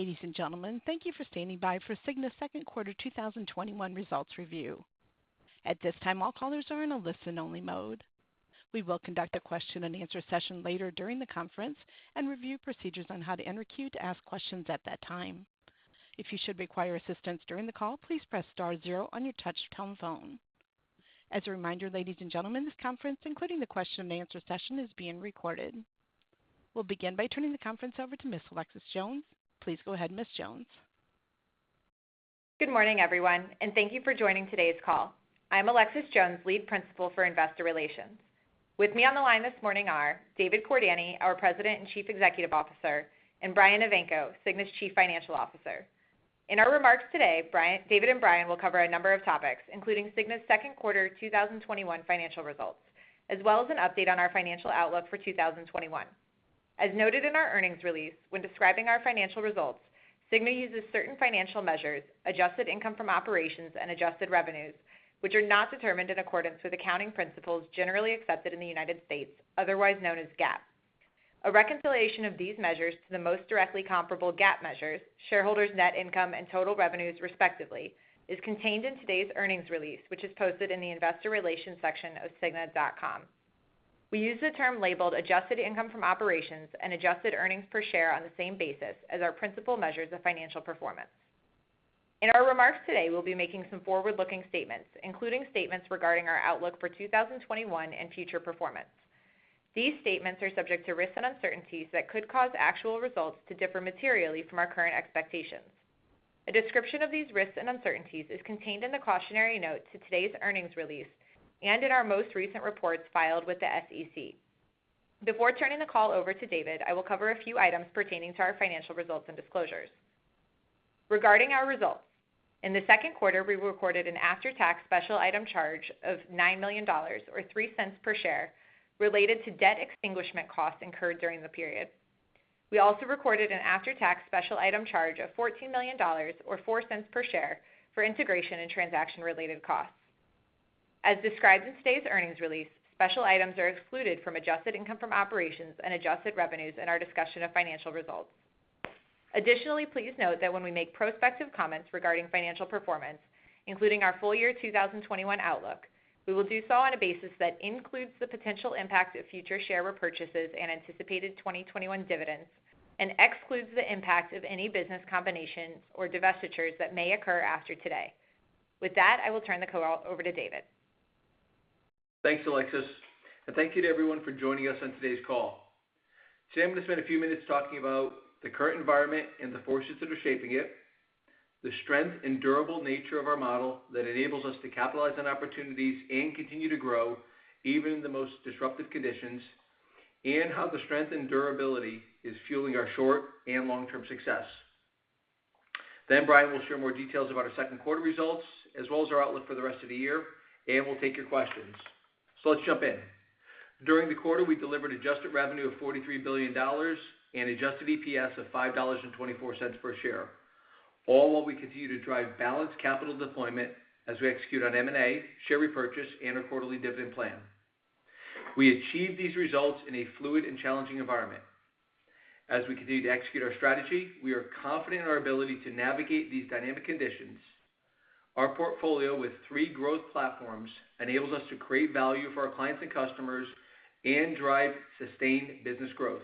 Ladies and gentlemen, thank you for standing by for Cigna's Second Quarter 2021 Results Review. At this time, all callers are in a listen-only mode. We will conduct a question-and-answer session later during the conference and review procedures on how to enter queue to ask questions at that time. If you should require assistance during the call, please press star zero on your touch-tone phone. As a reminder, ladies and gentlemen, this conference, including the question-and-answer session, is being recorded. We'll begin by turning the conference over to Ms. Alexis Jones. Please go ahead, Ms. Jones. Good morning, everyone, and thank you for joining today's call. I'm Alexis Jones, Lead Principal for Investor Relations. With me on the line this morning are David Cordani, our President and Chief Executive Officer, and Brian Evanko, Cigna's Chief Financial Officer. In our remarks today, David and Brian will cover a number of topics, including Cigna's second quarter 2021 financial results, as well as an update on our financial outlook for 2021. As noted in our earnings release, when describing our financial results, Cigna uses certain financial measures, adjusted income from operations and adjusted revenues, which are not determined in accordance with accounting principles generally accepted in the United States, otherwise known as GAAP. A reconciliation of these measures to the most directly comparable GAAP measures, shareholders' net income and total revenues, respectively, is contained in today's earnings release, which is posted in the Investor Relations section of cigna.com. We use the term labeled adjusted income from operations and adjusted earnings per share on the same basis as our principal measures of financial performance. In our remarks today, we'll be making some forward-looking statements, including statements regarding our outlook for 2021 and future performance. These statements are subject to risks and uncertainties that could cause actual results to differ materially from our current expectations. A description of these risks and uncertainties is contained in the cautionary note to today's earnings release and in our most recent reports filed with the SEC. Before turning the call over to David, I will cover a few items pertaining to our financial results and disclosures. Regarding our results, in the second quarter, we recorded an after-tax special item charge of $9 million, or $0.03 per share, related to debt extinguishment costs incurred during the period. We also recorded an after-tax special item charge of $14 million, or $0.04 per share, for integration and transaction-related costs. As described in today's earnings release, special items are excluded from adjusted income from operations and adjusted revenues in our discussion of financial results. Please note that when we make prospective comments regarding financial performance, including our full year 2021 outlook, we will do so on a basis that includes the potential impact of future share repurchases and anticipated 2021 dividends and excludes the impact of any business combinations or divestitures that may occur after today. With that, I will turn the call over to David. Thanks, Alexis, and thank you to everyone for joining us on today's call. Today, I'm going to spend a few minutes talking about the current environment and the forces that are shaping it, the strength and durable nature of our model that enables us to capitalize on opportunities and continue to grow even in the most disruptive conditions, and how the strength and durability is fueling our short- and long-term success. Then Brian will share more details about our second quarter results, as well as our outlook for the rest of the year, and we'll take your questions. Let's jump in. During the quarter, we delivered adjusted revenue of $43 billion and adjusted EPS of $5.24 per share, all while we continue to drive balanced capital deployment as we execute on M&A, share repurchase, and our quarterly dividend plan. We achieved these results in a fluid and challenging environment. As we continue to execute our strategy, we are confident in our ability to navigate these dynamic conditions. Our portfolio with three growth platforms enables us to create value for our clients and customers and drive sustained business growth.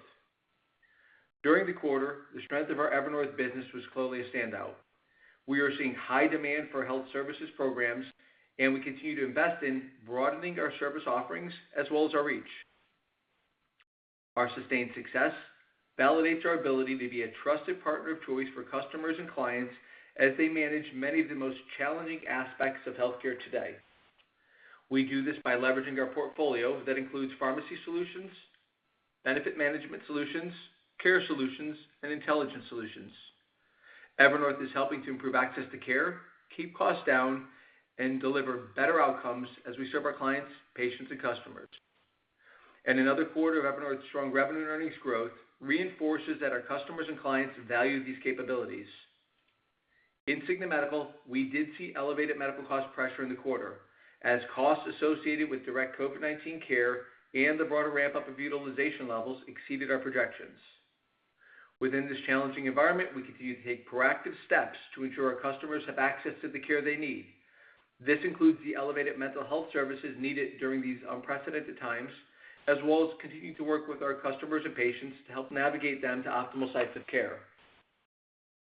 During the quarter, the strength of our Evernorth business was clearly a standout. We are seeing high demand for health services programs, and we continue to invest in broadening our service offerings as well as our reach. Our sustained success validates our ability to be a trusted partner of choice for customers and clients as they manage many of the most challenging aspects of healthcare today. We do this by leveraging our portfolio that includes pharmacy solutions, benefit management solutions, care solutions, and intelligence solutions. Evernorth is helping to improve access to care, keep costs down, and deliver better outcomes as we serve our clients, patients, and customers. Another quarter of Evernorth's strong revenue and earnings growth reinforces that our customers and clients value these capabilities. In Cigna Medical, we did see elevated medical cost pressure in the quarter, as costs associated with direct COVID-19 care and the broader ramp-up of utilization levels exceeded our projections. Within this challenging environment, we continue to take proactive steps to ensure our customers have access to the care they need. This includes the elevated mental health services needed during these unprecedented times, as well as continuing to work with our customers and patients to help navigate them to optimal sites of care.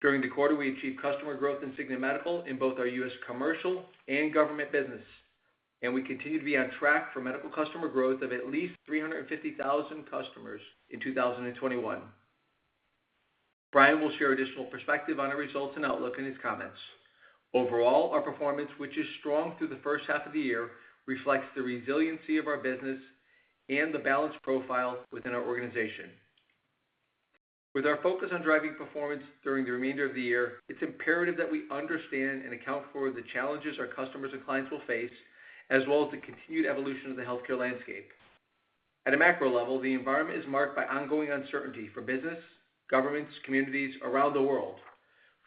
During the quarter, we achieved customer growth in Cigna Medical in both our U.S. Commercial and government business, and we continue to be on track for medical customer growth of at least 350,000 customers in 2021. Brian will share additional perspective on our results and outlook in his comments. Overall, our performance, which is strong through the first half of the year, reflects the resiliency of our business and the balanced profile within our organization. With our focus on driving performance during the remainder of the year, it's imperative that we understand and account for the challenges our customers and clients will face, as well as the continued evolution of the healthcare landscape. At a macro level, the environment is marked by ongoing uncertainty for business, governments, communities around the world.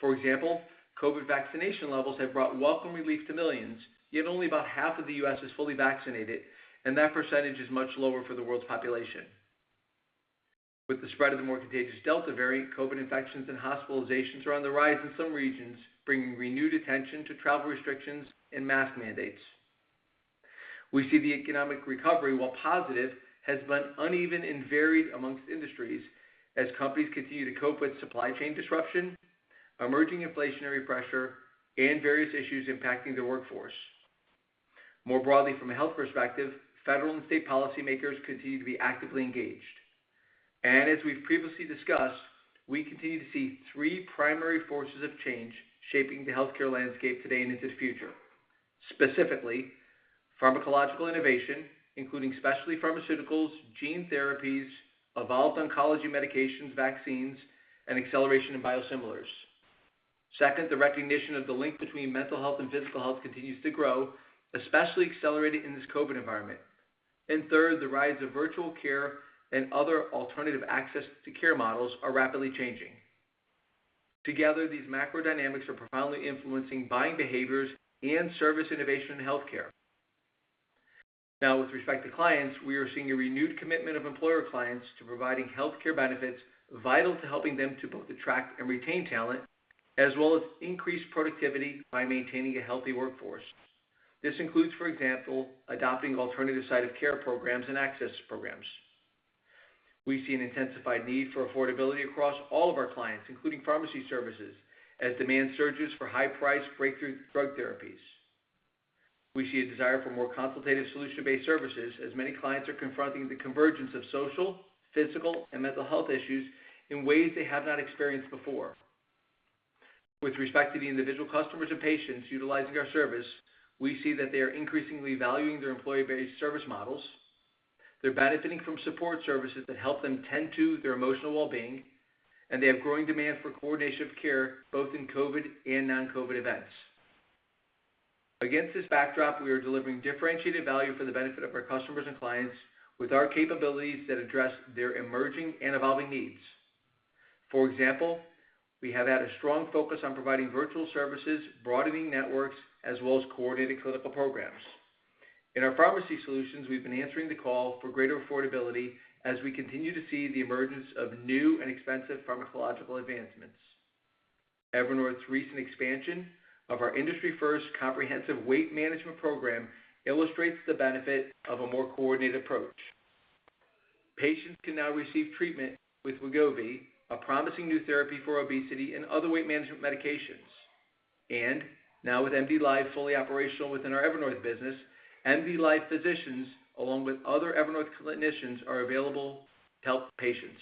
For example, COVID vaccination levels have brought welcome relief to millions, yet only about half of the U.S. is fully vaccinated, and that percentage is much lower for the world's population. With the spread of the more contagious Delta variant, COVID infections and hospitalizations are on the rise in some regions, bringing renewed attention to travel restrictions and mask mandates. We see the economic recovery, while positive, has been uneven and varied amongst industries as companies continue to cope with supply chain disruption, emerging inflationary pressure, and various issues impacting their workforce. More broadly, from a health perspective, federal and state policymakers continue to be actively engaged. As we've previously discussed, we continue to see three primary forces of change shaping the healthcare landscape today and into the future. Specifically, pharmacological innovation, including specialty pharmaceuticals, gene therapies, evolved oncology medications, vaccines, and acceleration in biosimilars. Second, the recognition of the link between mental health and physical health continues to grow, especially accelerated in this COVID environment. Third, the rise of virtual care and other alternative access to care models are rapidly changing. Together, these macro dynamics are profoundly influencing buying behaviors and service innovation in healthcare. With respect to clients, we are seeing a renewed commitment of employer clients to providing healthcare benefits vital to helping them to both attract and retain talent, as well as increase productivity by maintaining a healthy workforce. This includes, for example, adopting alternative site of care programs and access programs. We see an intensified need for affordability across all of our clients, including pharmacy services, as demand surges for high-priced breakthrough drug therapies. We see a desire for more consultative solution-based services as many clients are confronting the convergence of social, physical, and mental health issues in ways they have not experienced before. With respect to the individual customers or patients utilizing our service, we see that they are increasingly valuing their employee-based service models. They're benefiting from support services that help them tend to their emotional wellbeing, and they have growing demand for coordination of care both in COVID and non-COVID events. Against this backdrop, we are delivering differentiated value for the benefit of our customers and clients with our capabilities that address their emerging and evolving needs. For example, we have had a strong focus on providing virtual services, broadening networks, as well as coordinated clinical programs. In our pharmacy solutions, we've been answering the call for greater affordability as we continue to see the emergence of new and expensive pharmacological advancements. Evernorth's recent expansion of our industry-first comprehensive weight management program illustrates the benefit of a more coordinated approach. Patients can now receive treatment with Wegovy, a promising new therapy for obesity and other weight management medications. Now with MDLIVE fully operational within our Evernorth business, MDLIVE physicians, along with other Evernorth clinicians, are available to help patients.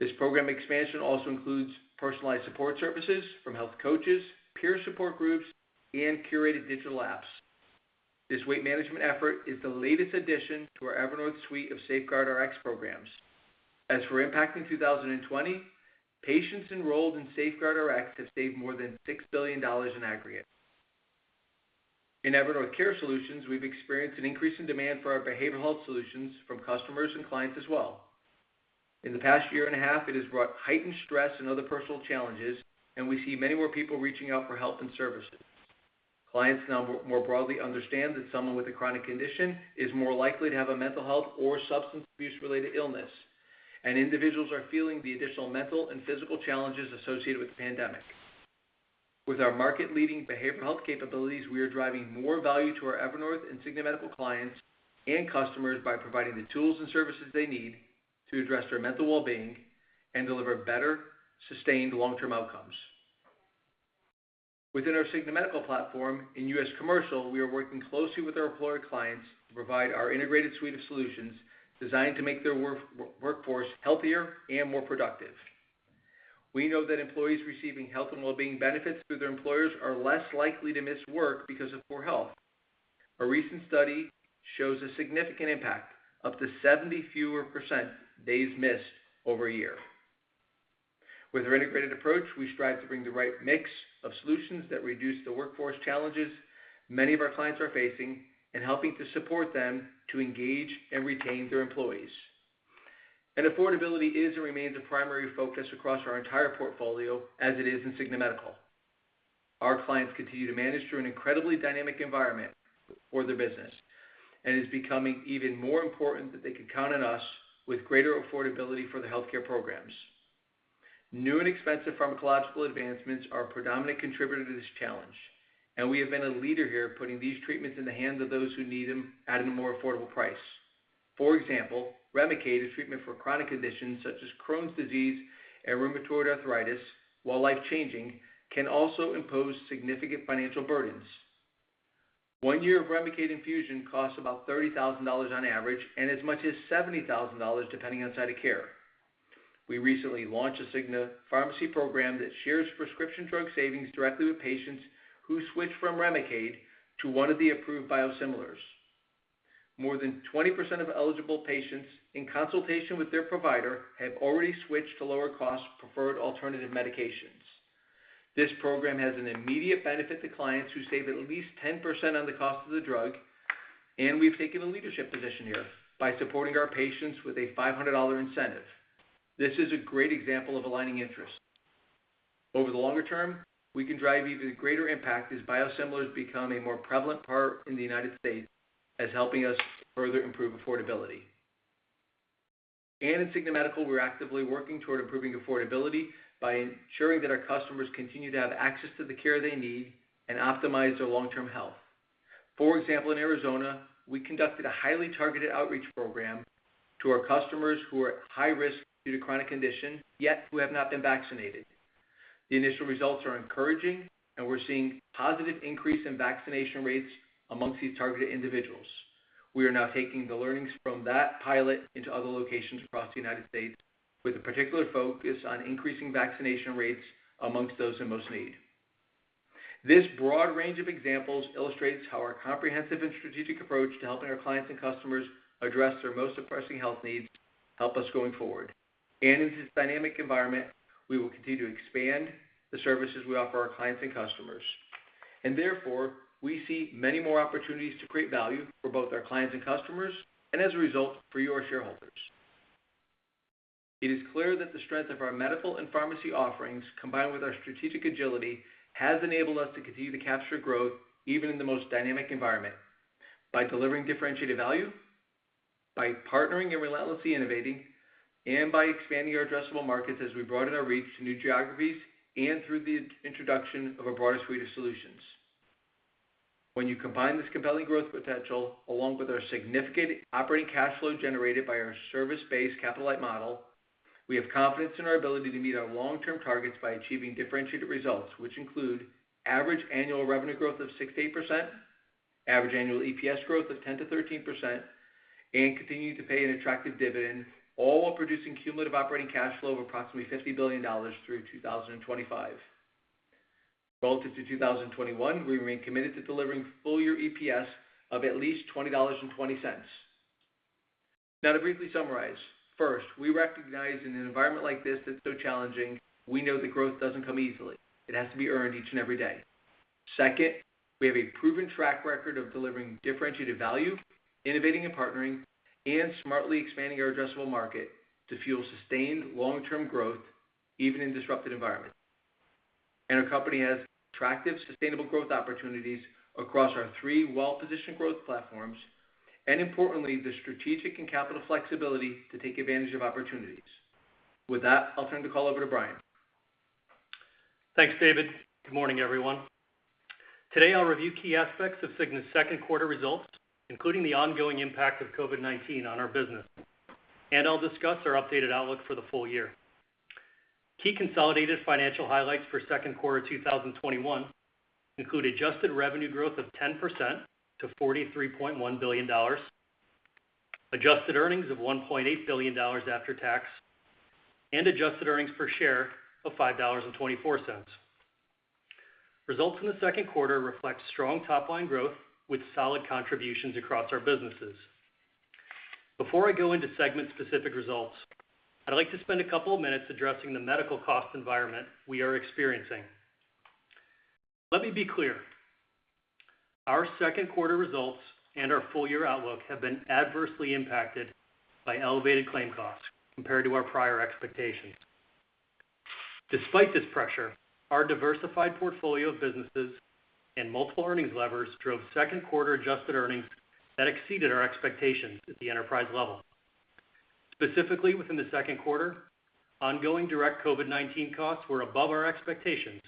This program expansion also includes personalized support services from health coaches, peer support groups, and curated digital apps. This weight management effort is the latest addition to our Evernorth suite of SafeGuardRx programs. As for impact in 2020, patients enrolled in SafeGuardRx have saved more than $6 billion in aggregate. In Evernorth Care Solutions, we've experienced an increase in demand for our behavioral health solutions from customers and clients as well. In the past year and a half, it has brought heightened stress and other personal challenges, and we see many more people reaching out for help and services. Clients now more broadly understand that someone with a chronic condition is more likely to have a mental health or substance abuse-related illness, and individuals are feeling the additional mental and physical challenges associated with the pandemic. With our market-leading behavioral health capabilities, we are driving more value to our Evernorth and Cigna Medical clients and customers by providing the tools and services they need to address their mental wellbeing and deliver better, sustained long-term outcomes. Within our Cigna Medical platform in U.S. Commercial, we are working closely with our employer clients to provide our integrated suite of solutions designed to make their workforce healthier and more productive. We know that employees receiving health and wellbeing benefits through their employers are less likely to miss work because of poor health. A recent study shows a significant impact, up to 70% fewer days missed over a year. With our integrated approach, we strive to bring the right mix of solutions that reduce the workforce challenges many of our clients are facing and helping to support them to engage and retain their employees. Affordability is and remains a primary focus across our entire portfolio, as it is in Cigna Medical. Our clients continue to manage through an incredibly dynamic environment for their business, and it's becoming even more important that they can count on us with greater affordability for the healthcare programs. New and expensive pharmacological advancements are a predominant contributor to this challenge, and we have been a leader here putting these treatments in the hands of those who need them at a more affordable price. For example, REMICADE, a treatment for chronic conditions such as Crohn's disease and rheumatoid arthritis, while life-changing, can also impose significant financial burdens. One year of REMICADE infusion costs about $30,000 on average, and as much as $70,000, depending on site of care. We recently launched a Cigna pharmacy program that shares prescription drug savings directly with patients who switch from REMICADE to one of the approved biosimilars. More than 20% of eligible patients, in consultation with their provider, have already switched to lower-cost preferred alternative medications. This program has an immediate benefit to clients who save at least 10% on the cost of the drug. We've taken a leadership position here by supporting our patients with a $500 incentive. This is a great example of aligning interests. Over the longer term, we can drive even greater impact as biosimilars become a more prevalent part in the United States as helping us further improve affordability. At Cigna Medical, we're actively working toward improving affordability by ensuring that our customers continue to have access to the care they need and optimize their long-term health. For example, in Arizona, we conducted a highly targeted outreach program to our customers who are at high risk due to chronic condition, yet who have not been vaccinated. The initial results are encouraging, and we're seeing positive increase in vaccination rates amongst these targeted individuals. We are now taking the learnings from that pilot into other locations across the U.S. with a particular focus on increasing vaccination rates amongst those in most need. This broad range of examples illustrates how our comprehensive and strategic approach to helping our clients and customers address their most pressing health needs help us going forward. In this dynamic environment, we will continue to expand the services we offer our clients and customers. Therefore, we see many more opportunities to create value for both our clients and customers, and as a result, for you, our shareholders. It is clear that the strength of our medical and pharmacy offerings, combined with our strategic agility, has enabled us to continue to capture growth even in the most dynamic environment by delivering differentiated value, by partnering and relentlessly innovating, and by expanding our addressable markets as we broaden our reach to new geographies, and through the introduction of a broader suite of solutions. When you combine this compelling growth potential, along with our significant operating cash flow generated by our service-based capital-light model, we have confidence in our ability to meet our long-term targets by achieving differentiated results, which include average annual revenue growth of 6%-8%, average annual EPS growth of 10%-13%, and continuing to pay an attractive dividend, all while producing cumulative operating cash flow of approximately $50 billion through 2025. Relative to 2021, we remain committed to delivering full year EPS of at least $20.20. Now to briefly summarize, first, we recognize in an environment like this that's so challenging, we know that growth doesn't come easily. It has to be earned each and every day. Second, we have a proven track record of delivering differentiated value, innovating and partnering, and smartly expanding our addressable market to fuel sustained long-term growth even in disruptive environments. Our company has attractive, sustainable growth opportunities across our three well-positioned growth platforms, and importantly, the strategic and capital flexibility to take advantage of opportunities. With that, I'll turn the call over to Brian. Thanks, David. Good morning, everyone. Today, I'll review key aspects of Cigna's second quarter results, including the ongoing impact of COVID-19 on our business. I'll discuss our updated outlook for the full year. Key consolidated financial highlights for second quarter 2021 include adjusted revenue growth of 10% to $43.1 billion, adjusted earnings of $1.8 billion after tax, and adjusted earnings per share of $5.24. Results in the second quarter reflect strong top-line growth with solid contributions across our businesses. Before I go into segment specific results, I'd like to spend a couple of minutes addressing the medical cost environment we are experiencing. Let me be clear, our second quarter results and our full year outlook have been adversely impacted by elevated claim costs compared to our prior expectations. Despite this pressure, our diversified portfolio of businesses and multiple earnings levers drove second quarter adjusted earnings that exceeded our expectations at the enterprise level. Specifically within the second quarter, ongoing direct COVID-19 costs were above our expectations,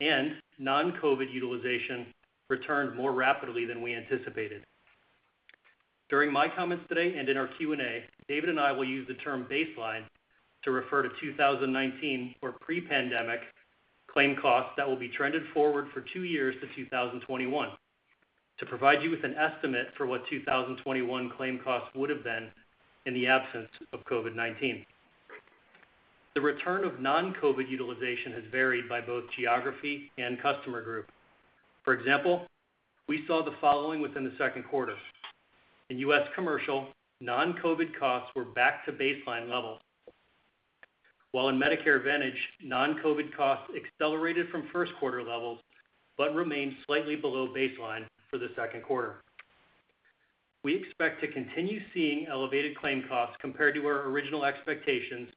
and non-COVID utilization returned more rapidly than we anticipated. During my comments today and in our Q&A, David and I will use the term baseline to refer to 2019 or pre-pandemic claim costs that will be trended forward for two years to 2021 to provide you with an estimate for what 2021 claim costs would have been in the absence of COVID-19. The return of non-COVID utilization has varied by both geography and customer group. For example, we saw the following within the second quarter. In U.S. Commercial, non-COVID costs were back to baseline levels, while in Medicare Advantage, non-COVID costs accelerated from first quarter levels but remained slightly below baseline for the second quarter. We expect to continue seeing elevated claim costs compared to our original expectations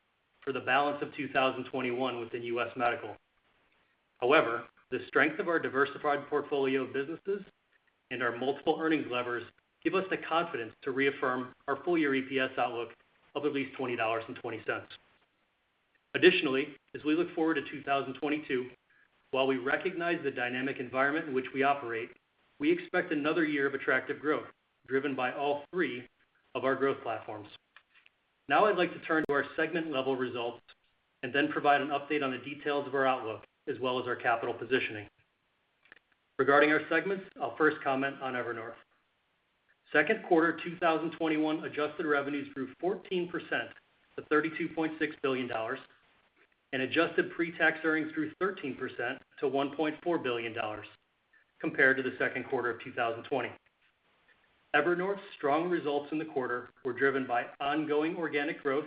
for the balance of 2021 within U.S. Medical. However, the strength of our diversified portfolio of businesses and our multiple earnings levers give us the confidence to reaffirm our full year EPS outlook of at least $20.20. Additionally, as we look forward to 2022, while we recognize the dynamic environment in which we operate, we expect another year of attractive growth driven by all three of our growth platforms. Now I'd like to turn to our segment level results and then provide an update on the details of our outlook, as well as our capital positioning. Regarding our segments, I'll first comment on Evernorth. Second quarter 2021 adjusted revenues grew 14% to $32.6 billion, and adjusted pre-tax earnings grew 13% to $1.4 billion compared to the second quarter of 2020. Evernorth's strong results in the quarter were driven by ongoing organic growth,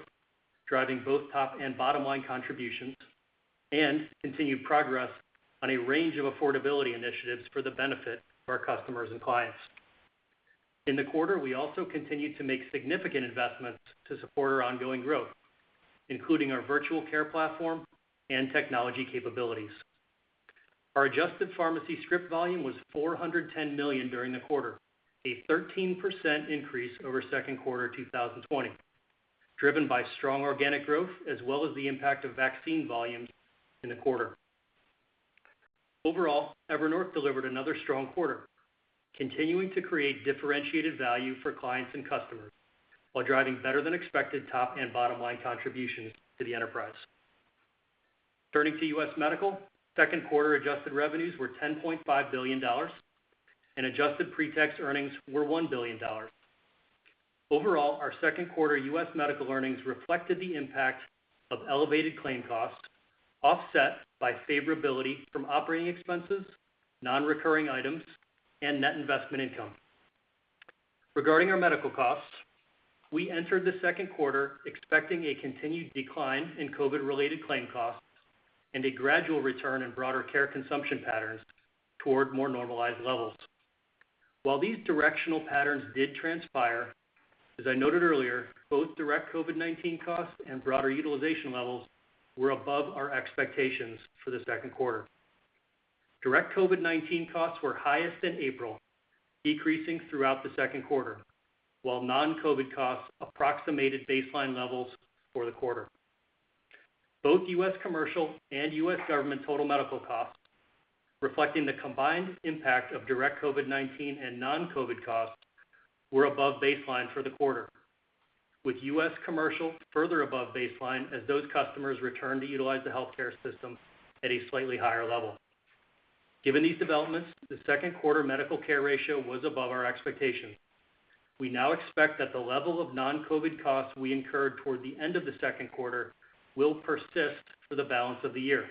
driving both top and bottom line contributions, and continued progress on a range of affordability initiatives for the benefit of our customers and clients. In the quarter, we also continued to make significant investments to support our ongoing growth, including our virtual care platform and technology capabilities. Our adjusted pharmacy script volume was 410 million during the quarter, a 13% increase over second quarter 2020, driven by strong organic growth as well as the impact of vaccine volumes in the quarter. Overall, Evernorth delivered another strong quarter, continuing to create differentiated value for clients and customers, while driving better than expected top and bottom line contributions to the enterprise. Turning to U.S. Medical, second quarter adjusted revenues were $10.5 billion, and adjusted pre-tax earnings were $1 billion. Overall, our second quarter U.S. Medical earnings reflected the impact of elevated claim costs offset by favorability from operating expenses, non-recurring items, and net investment income. Regarding our medical costs, we entered the second quarter expecting a continued decline in COVID-related claim costs and a gradual return in broader care consumption patterns toward more normalized levels. While these directional patterns did transpire, as I noted earlier, both direct COVID-19 costs and broader utilization levels were above our expectations for the second quarter. Direct COVID-19 costs were highest in April, decreasing throughout the second quarter, while non-COVID costs approximated baseline levels for the quarter. Both U.S. Commercial and U.S. Government total medical costs, reflecting the combined impact of direct COVID-19 and non-COVID costs, were above baseline for the quarter, with U.S. Commercial further above baseline as those customers returned to utilize the healthcare system at a slightly higher level. Given these developments, the second quarter medical care ratio was above our expectations. We now expect that the level of non-COVID costs we incurred toward the end of the second quarter will persist for the balance of the year.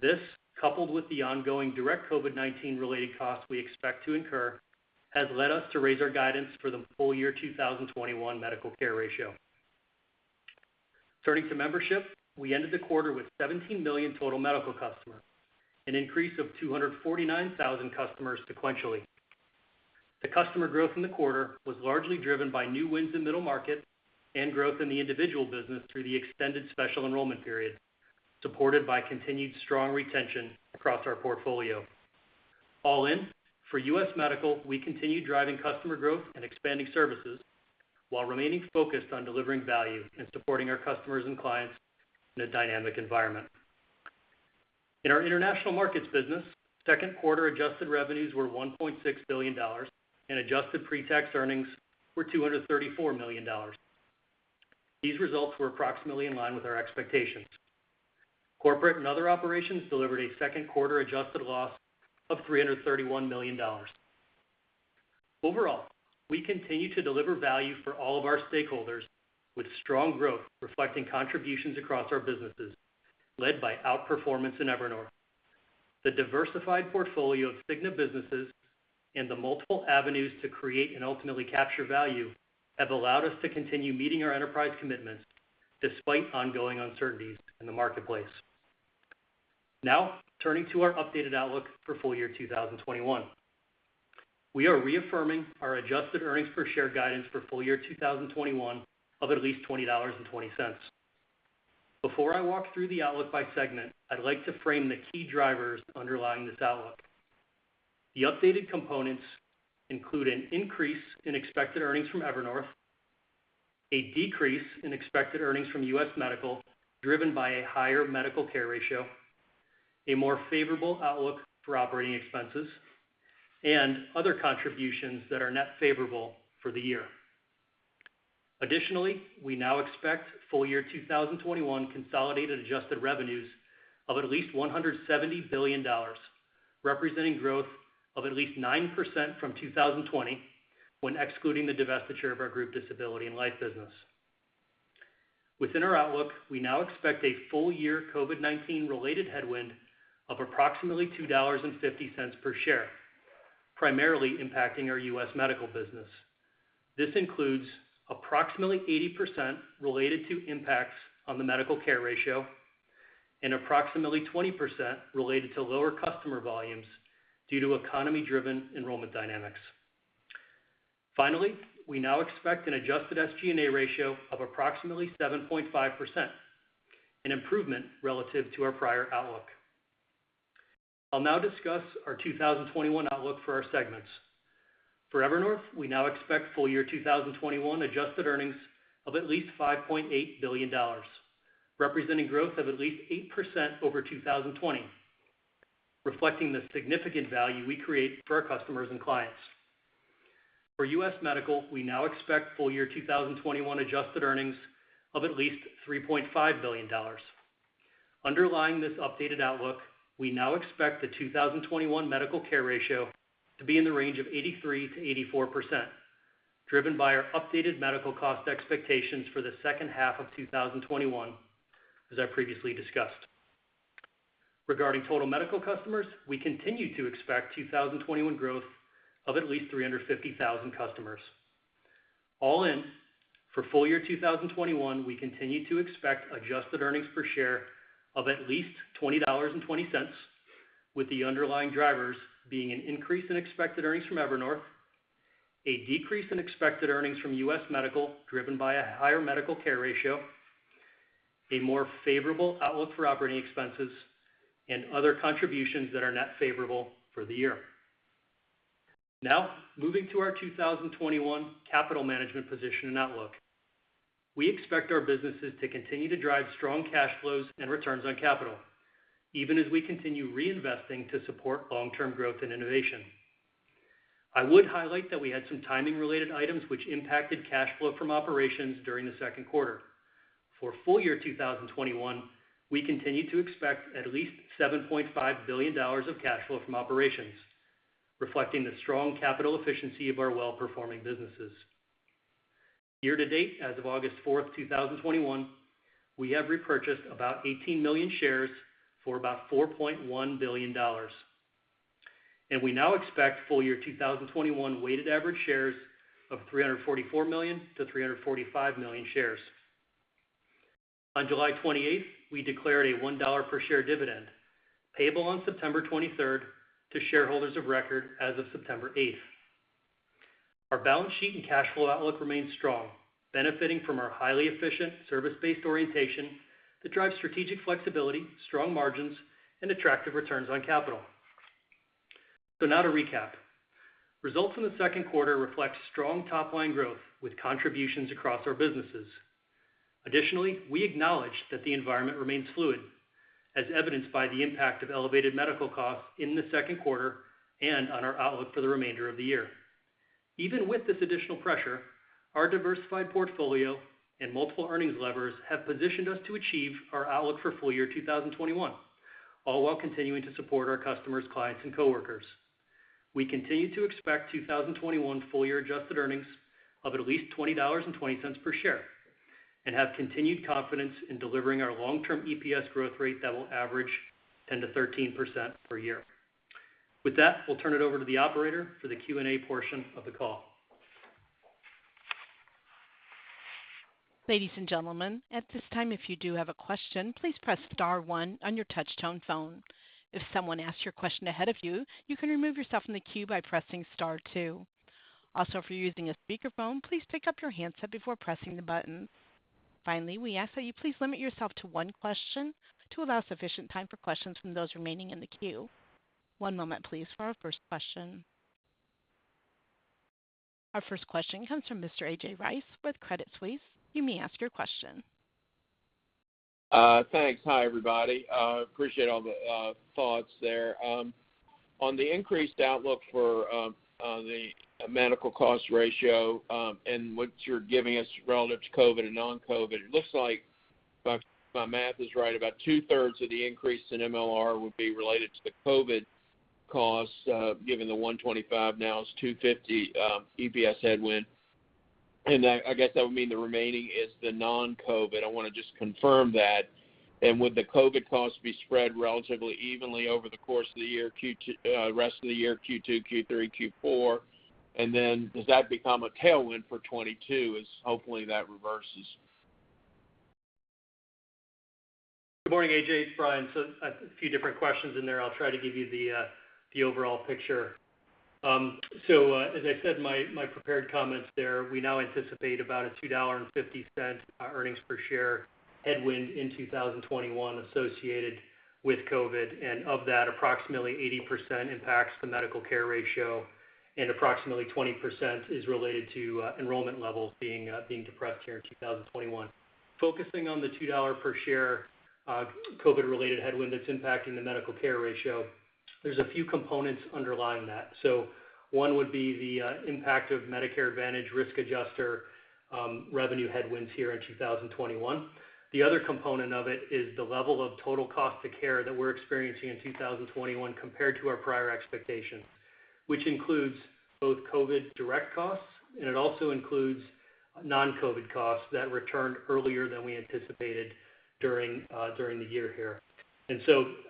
This, coupled with the ongoing direct COVID-19 related costs we expect to incur, has led us to raise our guidance for the full year 2021 medical care ratio. Turning to membership, we ended the quarter with 17 million total medical customers, an increase of 249,000 customers sequentially. The customer growth in the quarter was largely driven by new wins in middle market and growth in the individual business through the extended special enrollment period, supported by continued strong retention across our portfolio. All in, for U.S. Medical, we continue driving customer growth and expanding services while remaining focused on delivering value and supporting our customers and clients in a dynamic environment. In our International Markets business, second quarter adjusted revenues were $1.6 billion, and adjusted pre-tax earnings were $234 million. These results were approximately in line with our expectations. Corporate and other operations delivered a second quarter adjusted loss of $331 million. Overall, we continue to deliver value for all of our stakeholders with strong growth reflecting contributions across our businesses, led by outperformance in Evernorth. The diversified portfolio of Cigna businesses and the multiple avenues to create and ultimately capture value have allowed us to continue meeting our enterprise commitments despite ongoing uncertainties in the marketplace. Turning to our updated outlook for full year 2021. We are reaffirming our adjusted earnings per share guidance for full year 2021 of at least $20.20. Before I walk through the outlook by segment, I'd like to frame the key drivers underlying this outlook. The updated components include an increase in expected earnings from Evernorth, a decrease in expected earnings from U.S. Medical, driven by a higher medical care ratio, a more favorable outlook for operating expenses, and other contributions that are net favorable for the year. Additionally, we now expect full year 2021 consolidated adjusted revenues of at least $170 billion, representing growth of at least 9% from 2020 when excluding the divestiture of our group disability and life business. Within our outlook, we now expect a full year COVID-19 related headwind of approximately $2.50 per share, primarily impacting our U.S. Medical business. This includes approximately 80% related to impacts on the medical care ratio, and approximately 20% related to lower customer volumes due to economy-driven enrollment dynamics. Finally, we now expect an adjusted SG&A ratio of approximately 7.5%, an improvement relative to our prior outlook. I'll now discuss our 2021 outlook for our segments. For Evernorth, we now expect full year 2021 adjusted earnings of at least $5.8 billion, representing growth of at least 8% over 2020, reflecting the significant value we create for our customers and clients. For U.S. Medical, we now expect full year 2021 adjusted earnings of at least $3.5 billion. Underlying this updated outlook, we now expect the 2021 medical care ratio to be in the range of 83%-84%, driven by our updated medical cost expectations for the second half of 2021, as I previously discussed. Regarding total medical customers, we continue to expect 2021 growth of at least 350,000 customers. All in, for full year 2021, we continue to expect adjusted earnings per share of at least $20.20, with the underlying drivers being an increase in expected earnings from Evernorth, a decrease in expected earnings from U.S. Medical driven by a higher medical care ratio, a more favorable outlook for operating expenses, and other contributions that are net favorable for the year. Moving to our 2021 capital management position and outlook. We expect our businesses to continue to drive strong cash flows and returns on capital, even as we continue reinvesting to support long-term growth and innovation. I would highlight that we had some timing-related items which impacted cash flow from operations during the second quarter. For full year 2021, we continue to expect at least $7.5 billion of cash flow from operations, reflecting the strong capital efficiency of our well-performing businesses. Year to date, as of August 4th, 2021, we have repurchased about 18 million shares for about $4.1 billion. We now expect full year 2021 weighted average shares of 344 million-345 million shares. On July 28th, we declared a $1 per share dividend, payable on September 23rd to shareholders of record as of September 8th. Our balance sheet and cash flow outlook remains strong, benefiting from our highly efficient service-based orientation that drives strategic flexibility, strong margins, and attractive returns on capital. Now to recap. Results in the second quarter reflect strong top-line growth with contributions across our businesses. Additionally, we acknowledge that the environment remains fluid, as evidenced by the impact of elevated medical costs in the second quarter, and on our outlook for the remainder of the year. Even with this additional pressure, our diversified portfolio and multiple earnings levers have positioned us to achieve our outlook for full year 2021, all while continuing to support our customers, clients, and coworkers. We continue to expect 2021 full year adjusted earnings of at least $20.20 per share, and have continued confidence in delivering our long-term EPS growth rate that will average 10%-13% per year. With that, we'll turn it over to the operator for the Q&A portion of the call. Ladies and gentlemen, at this time, if you do have a question, please press star one on your touch-tone phone. If someone asks your question ahead of you can remove yourself from the queue by pressing star two. If you're using a speakerphone, please pick up your handset before pressing the buttons. We ask that you please limit yourself to one question to allow sufficient time for questions from those remaining in the queue. One moment, please, for our first question. Our first question comes from Mr. A.J. Rice with Credit Suisse. You may ask your question. Thanks. Hi, everybody. Appreciate all the thoughts there. On the increased outlook for the medical cost ratio and what you're giving us relative to COVID and non-COVID, it looks like if my math is right, about two-thirds of the increase in MLR would be related to the COVID costs, given the $1.25 now is $2.50 EPS headwind, and I guess that would mean the remaining is the non-COVID. I want to just confirm that, and would the COVID costs be spread relatively evenly over the course of the rest of the year, Q2, Q3, Q4, and then does that become a tailwind for 2022 as hopefully that reverses? Good morning, A.J. It's Brian. A few different questions in there. I'll try to give you the overall picture. As I said in my prepared comments there, we now anticipate about a $2.50 earnings per share headwind in 2021 associated with COVID, and of that approximately 80% impacts the medical care ratio, and approximately 20% is related to enrollment levels being depressed here in 2021. Focusing on the $2 per share COVID-related headwind that's impacting the medical care ratio, there's a few components underlying that. One would be the impact of Medicare Advantage risk adjuster revenue headwinds here in 2021. The other component of it is the level of total cost to care that we're experiencing in 2021 compared to our prior expectations, which includes both COVID direct costs, and it also includes non-COVID costs that returned earlier than we anticipated during the year here.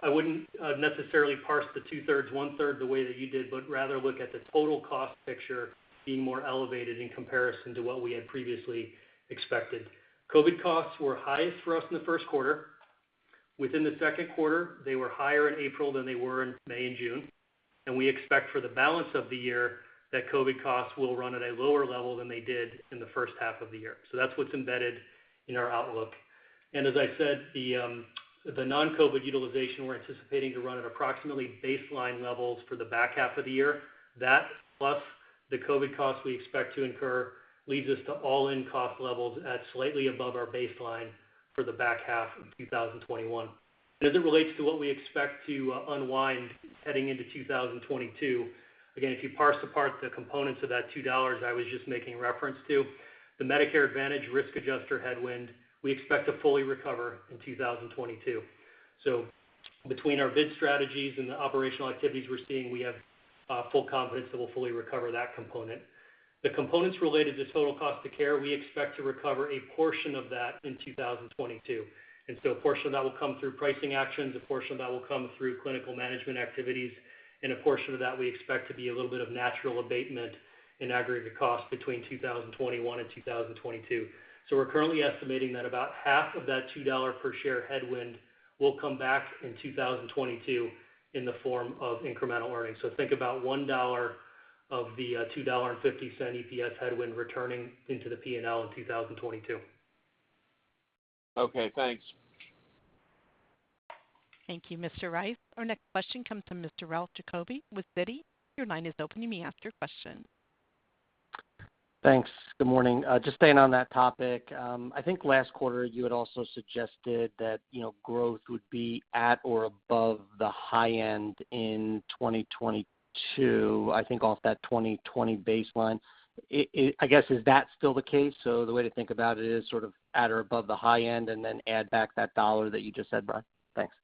I wouldn't necessarily parse the two-thirds, one-third the way that you did, but rather look at the total cost picture being more elevated in comparison to what we had previously expected. COVID costs were highest for us in the first quarter. Within the second quarter, they were higher in April than they were in May and June, and we expect for the balance of the year that COVID costs will run at a lower level than they did in the first half of the year. That's what's embedded in our outlook. As I said, the non-COVID utilization we're anticipating to run at approximately baseline levels for the back half of the year. That, plus the COVID costs we expect to incur, leads us to all-in cost levels at slightly above our baseline for the back half of 2021. As it relates to what we expect to unwind heading into 2022, again, if you parse apart the components of that $2 I was just making reference to, the Medicare Advantage risk adjuster headwind we expect to fully recover in 2022. Between our bid strategies and the operational activities we're seeing, we have full confidence that we'll fully recover that component. The components related to total cost of care, we expect to recover a portion of that in 2022. A portion of that will come through pricing actions, a portion of that will come through clinical management activities, and a portion of that we expect to be a little bit of natural abatement in aggregate cost between 2021 and 2022. We're currently estimating that about half of that $2 per share headwind will come back in 2022 in the form of incremental earnings. Think about $1 of the $2.50 EPS headwind returning into the P&L in 2022. Okay, thanks. Thank you, Mr. Rice. Our next question comes from Mr. Ralph Giacobbe with Citi. Your line is open. You may ask your question. Thanks. Good morning. Just staying on that topic, I think last quarter you had also suggested that growth would be at or above the high end in 2022, I think off that 2020 baseline. I guess, is that still the case? The way to think about it is sort of at or above the high end and then add back that $1 that you just said, Brian? Thanks.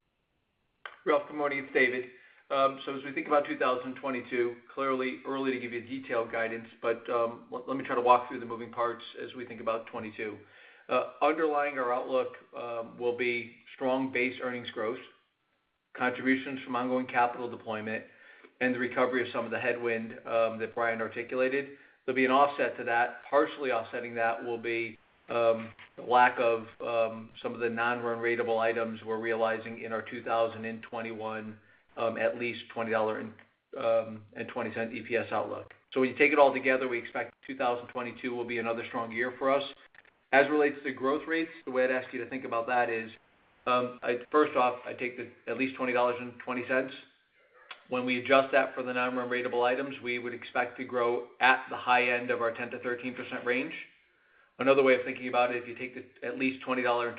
Ralph, good morning. It's David. As we think about 2022, clearly early to give you detailed guidance, but let me try to walk through the moving parts as we think about 2022. Underlying our outlook will be strong base earnings growth, contributions from ongoing capital deployment, and the recovery of some of the headwind that Brian articulated. There'll be an offset to that. Partially offsetting that will be the lack of some of the non-run ratable items we're realizing in our 2021 at least $20.20 EPS outlook. When you take it all together, we expect 2022 will be another strong year for us. As it relates to growth rates, the way I'd ask you to think about that is, first off, I take the at least $20.20. When we adjust that for the non-run ratable items, we would expect to grow at the high end of our 10% to 13% range. Another way of thinking about it, if you take the at least $20.20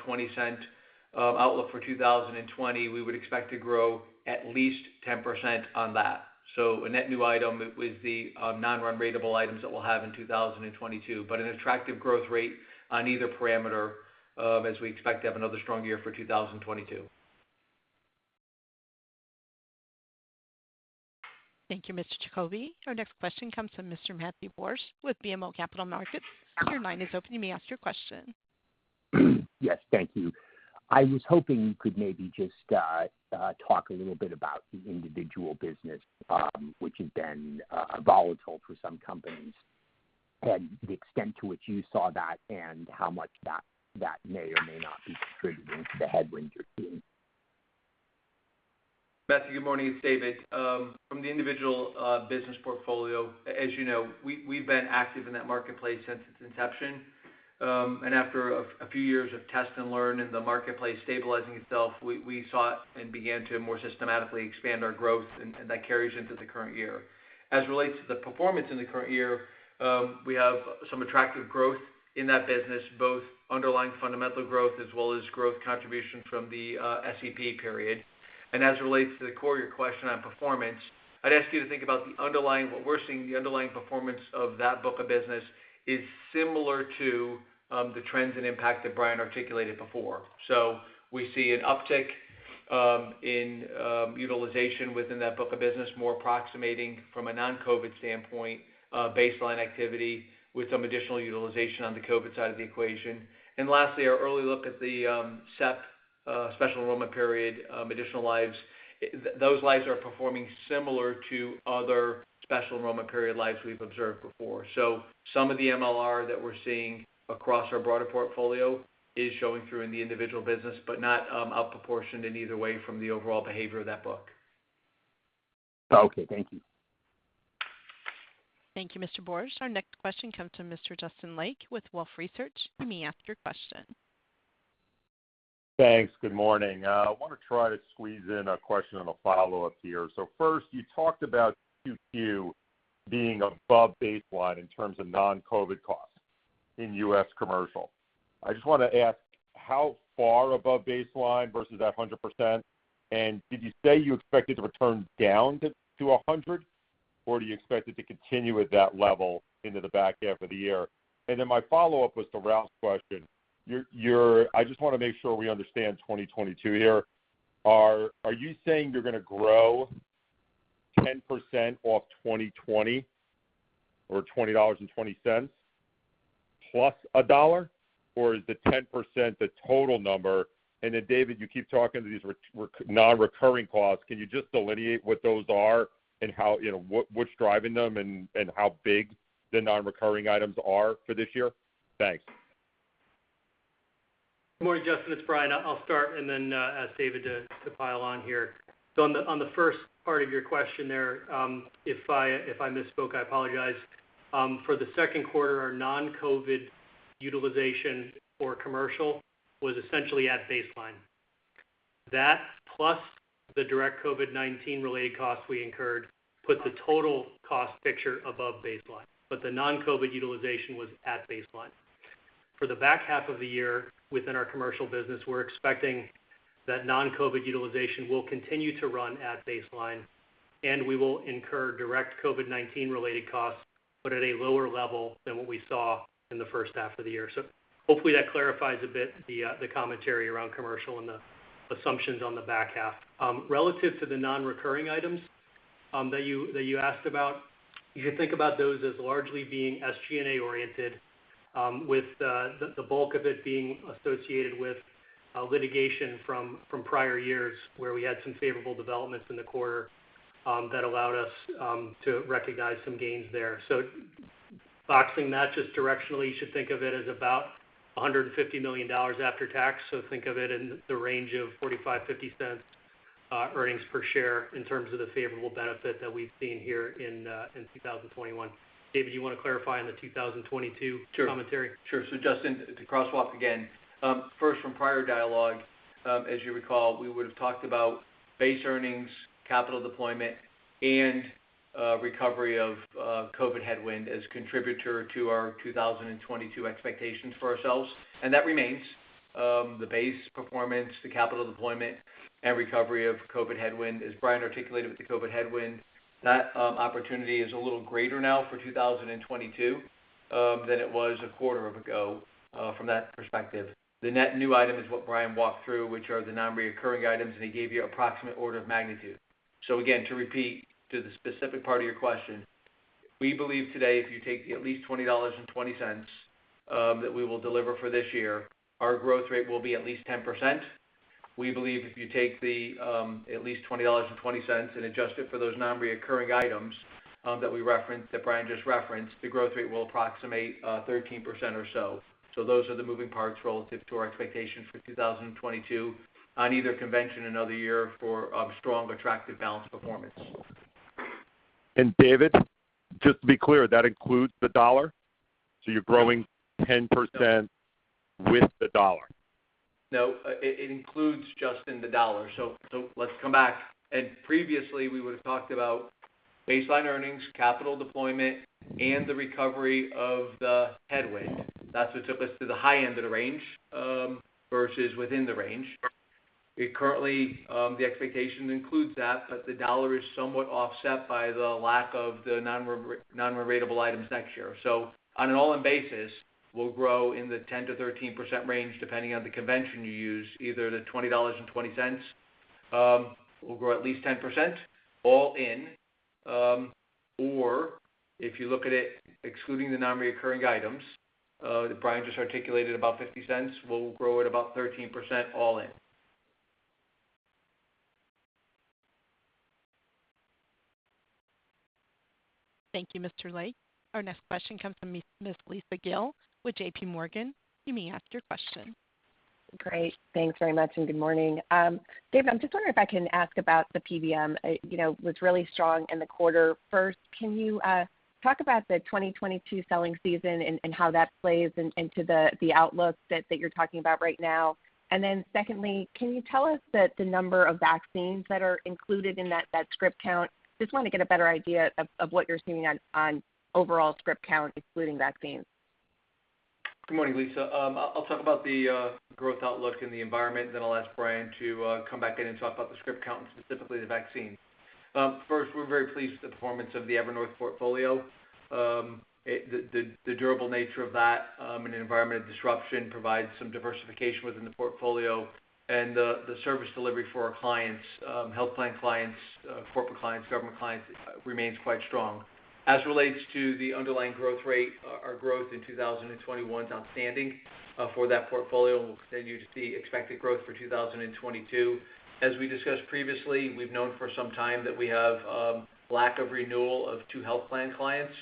outlook for 2020, we would expect to grow at least 10% on that. A net new item with the non-run ratable items that we'll have in 2022, but an attractive growth rate on either parameter as we expect to have another strong year for 2022. Thank you, Mr. Giacobbe. Our next question comes from Mr. Matthew Borsch with BMO Capital Markets. Your line is open. You may ask your question. Yes. Thank you. I was hoping you could maybe just talk a little bit about the individual business, which has been volatile for some companies, and the extent to which you saw that and how much that may or may not be contributing to the headwinds you're seeing. Matthew, good morning. It's David. From the individual business portfolio, as you know, we've been active in that marketplace since its inception. After a few years of test and learn and the marketplace stabilizing itself, we saw it and began to more systematically expand our growth, and that carries into the current year. As it relates to the performance in the current year, we have some attractive growth in that business, both underlying fundamental growth as well as growth contribution from the SEP period. As it relates to the core of your question on performance, I'd ask you to think about the underlying, what we're seeing, the underlying performance of that book of business is similar to the trends and impact that Brian articulated before. We see an uptick in utilization within that book of business, more approximating from a non-COVID standpoint, baseline activity with some additional utilization on the COVID side of the equation. Lastly, our early look at the SEP, special enrollment period, additional lives, those lives are performing similar to other special enrollment period lives we've observed before. Some of the MLR that we're seeing across our broader portfolio is showing through in the individual business, but not out of proportion in either way from the overall behavior of that book. Okay, thank you. Thank you, Mr. Borsch. Our next question comes from Mr. Justin Lake with Wolfe Research. You may ask your question. Thanks. Good morning. I want to try to squeeze in a question and a follow-up here. First, you talked about Q2 being above baseline in terms of non-COVID costs in U.S. Commercial. I just want to ask how far above baseline versus that 100%, and did you say you expected to return down to 100%, or do you expect it to continue at that level into the back half of the year? My follow-up was to Ralph's question. I just want to make sure we understand 2022 here. Are you saying you're going to grow 10% off 2020 or $20.20+$1, or is the 10% the total number? David, you keep talking to these non-recurring costs. Can you just delineate what those are and what's driving them and how big the non-recurring items are for this year? Thanks. Good morning, Justin. It's Brian. I'll start and then ask David to pile on here. On the first part of your question there, if I misspoke, I apologize. For the second quarter, our non-COVID utilization for commercial was essentially at baseline. That plus the direct COVID-19 related costs we incurred put the total cost picture above baseline, but the non-COVID utilization was at baseline. For the back half of the year within our commercial business, we're expecting that non-COVID utilization will continue to run at baseline, and we will incur direct COVID-19 related costs, but at a lower level than what we saw in the first half of the year. Hopefully that clarifies a bit the commentary around commercial and the assumptions on the back half. Relative to the non-recurring items that you asked about. You should think about those as largely being SG&A oriented, with the bulk of it being associated with litigation from prior years where we had some favorable developments in the quarter that allowed us to recognize some gains there. Think of it as about $150 million after tax. Think of it in the range of $0.45-$0.50 earnings per share in terms of the favorable benefit that we've seen here in 2021. David, you want to clarify on the 2022 commentary? Sure. Justin, to crosswalk again. First, from prior dialogue, as you recall, we would've talked about base earnings, capital deployment, and recovery of COVID headwind as contributor to our 2022 expectations for ourselves, and that remains. The base performance, the capital deployment, and recovery of COVID headwind, as Brian articulated with the COVID headwind, that opportunity is a little greater now for 2022, than it was a quarter ago from that perspective. The net new item is what Brian walked through, which are the non-reoccurring items, and he gave you approximate order of magnitude. Again, to repeat to the specific part of your question, we believe today, if you take at least $20.20 that we will deliver for this year, our growth rate will be at least 10%. We believe if you take at least $20.20 and adjust it for those non-recurring items that Brian just referenced, the growth rate will approximate 13% or so. Those are the moving parts relative to our expectations for 2022 on either convention, another year for strong, attractive balanced performance. David, just to be clear, that includes the dollar? You're growing 10% with the dollar? It includes, Justin, the dollar. Previously we would've talked about baseline earnings, capital deployment, and the recovery of the headwind. That's what took us to the high end of the range, versus within the range. Currently, the expectation includes that, but the dollar is somewhat offset by the lack of the non-repeatable items next year. On an all-in basis, we'll grow in the 10%-13% range, depending on the convention you use. Either the $20.20, we'll grow at least 10%, all in. If you look at it excluding the non-reoccurring items, Brian just articulated about $0.50. We'll grow at about 13%, all in. Thank you, Mr. Lake. Our next question comes from Miss Lisa Gill with JPMorgan. You may ask your question. Great. Thanks very much, and good morning. David, I'm just wondering if I can ask about the PBM, was really strong in the quarter. First, can you talk about the 2022 selling season and how that plays into the outlook that you're talking about right now? Secondly, can you tell us the number of vaccines that are included in that script count? Just want to get a better idea of what you're seeing on overall script count, excluding vaccines. Good morning, Lisa. I'll talk about the growth outlook and the environment. I'll ask Brian to come back in and talk about the script count, and specifically the vaccine. First, we're very pleased with the performance of the Evernorth portfolio. The durable nature of that in an environment of disruption provides some diversification within the portfolio, and the service delivery for our clients, health plan clients, corporate clients, government clients, remains quite strong. As it relates to the underlying growth rate, our growth in 2021 is outstanding for that portfolio, and we'll continue to see expected growth for 2022. As we discussed previously, we've known for some time that we have lack of renewal of two health plan clients.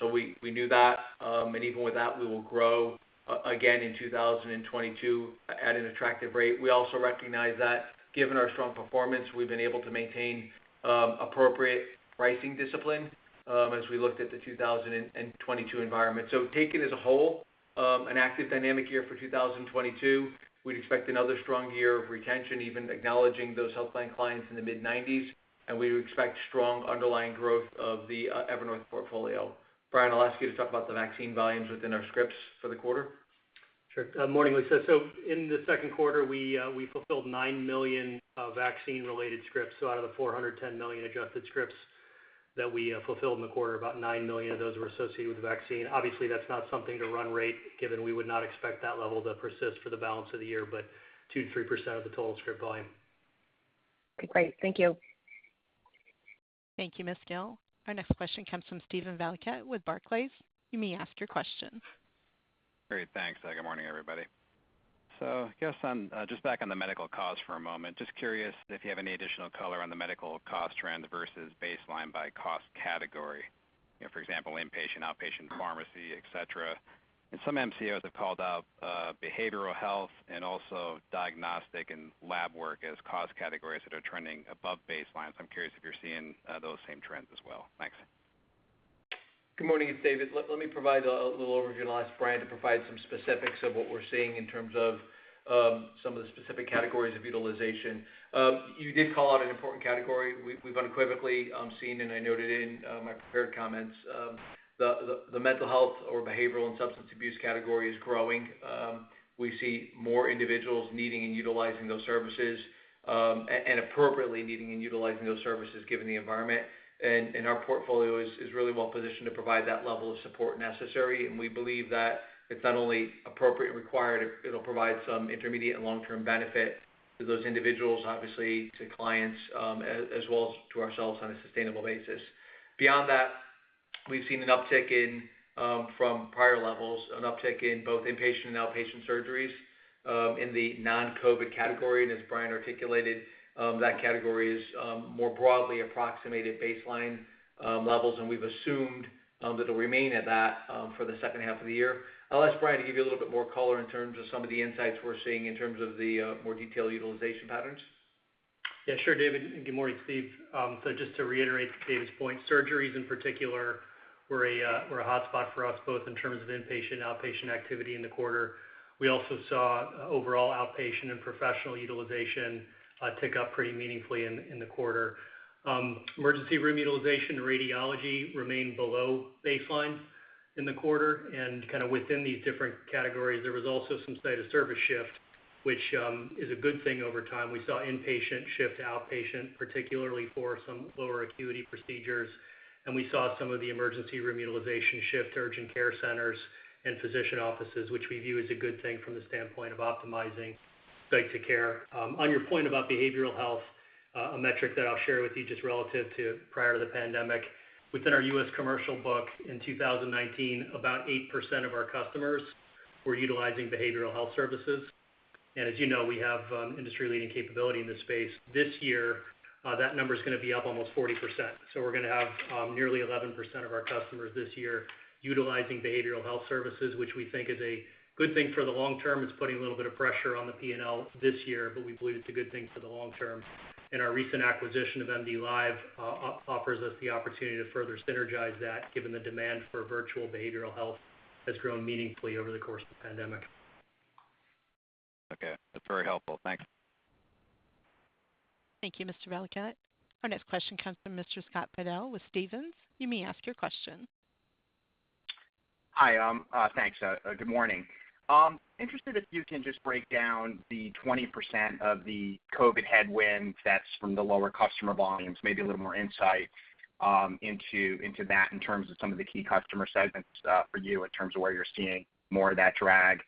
We knew that, and even with that, we will grow again in 2022 at an attractive rate. We also recognize that given our strong performance, we've been able to maintain appropriate pricing discipline as we looked at the 2022 environment. Taken as a whole, an active dynamic year for 2022. We'd expect another strong year of retention, even acknowledging those health plan clients in the mid-90s, and we would expect strong underlying growth of the Evernorth portfolio. Brian, I'll ask you to talk about the vaccine volumes within our scripts for the quarter. Sure. Morning, Lisa. In the second quarter, we fulfilled 9 million vaccine related scripts. Out of the 410 million adjusted scripts that we fulfilled in the quarter, about 9 million of those were associated with the vaccine. Obviously, that's not something to run rate, given we would not expect that level to persist for the balance of the year, but 2%, 3% of the total script volume. Okay, great. Thank you. Thank you, Ms. Gill. Our next question comes from Steven Valiquette with Barclays. You may ask your question. Great. Thanks. Good morning, everybody. I guess just back on the medical costs for a moment, just curious if you have any additional color on the medical cost trend versus baseline by cost category. For example, inpatient, outpatient, pharmacy, et cetera. Some MCOs have called out behavioral health and also diagnostic and lab work as cost categories that are trending above baseline. I'm curious if you're seeing those same trends as well. Thanks. Good morning. It's David. Let me provide a little overview, and I'll ask Brian to provide some specifics of what we're seeing in terms of some of the specific categories of utilization. You did call out an important category. We've unequivocally seen, and I noted in my prepared comments, the mental health or behavioral and substance abuse category is growing. We see more individuals needing and utilizing those services, and appropriately needing and utilizing those services given the environment. Our portfolio is really well positioned to provide that level of support necessary, and we believe that it's not only appropriate and required, it'll provide some intermediate and long-term benefit to those individuals, obviously to clients, as well as to ourselves on a sustainable basis. Beyond that. We've seen an uptick from prior levels, an uptick in both inpatient and outpatient surgeries, in the non-COVID category. As Brian articulated, that category is more broadly approximated baseline levels, and we've assumed that it'll remain at that for the second half of the year. I'll ask Brian to give you a little bit more color in terms of some of the insights we're seeing in terms of the more detailed utilization patterns. Yeah, sure, David. Good morning, Steve. Just to reiterate David's point, surgeries in particular were a hotspot for us, both in terms of inpatient and outpatient activity in the quarter. We also saw overall outpatient and professional utilization tick up pretty meaningfully in the quarter. Emergency room utilization and radiology remained below baseline in the quarter. Kind of within these different categories, there was also some site of service shift, which is a good thing over time. We saw inpatient shift to outpatient, particularly for some lower acuity procedures, and we saw some of the emergency room utilization shift to urgent care centers and physician offices, which we view as a good thing from the standpoint of optimizing site of care. On your point about behavioral health, a metric that I'll share with you, just relative to prior to the pandemic, within our U.S. Commercial book in 2019, about 8% of our customers were utilizing behavioral health services. As you know, we have industry-leading capability in this space. This year, that number's going to be up almost 40%. We're going to have nearly 11% of our customers this year utilizing behavioral health services, which we think is a good thing for the long term. It's putting a little bit of pressure on the P&L this year, but we believe it's a good thing for the long term. Our recent acquisition of MDLIVE offers us the opportunity to further synergize that, given the demand for virtual behavioral health has grown meaningfully over the course of the pandemic. Okay. That's very helpful. Thanks. Thank you, Mr. Valiquette. Our next question comes from Mr. Scott Fidel with Stephens. You may ask your question. Hi, thanks. Good morning. Interested if you can just break down the 20% of the COVID headwind that's from the lower customer volumes, maybe a little more insight into that in terms of some of the key customer segments for you in terms of where you're seeing more of that drag.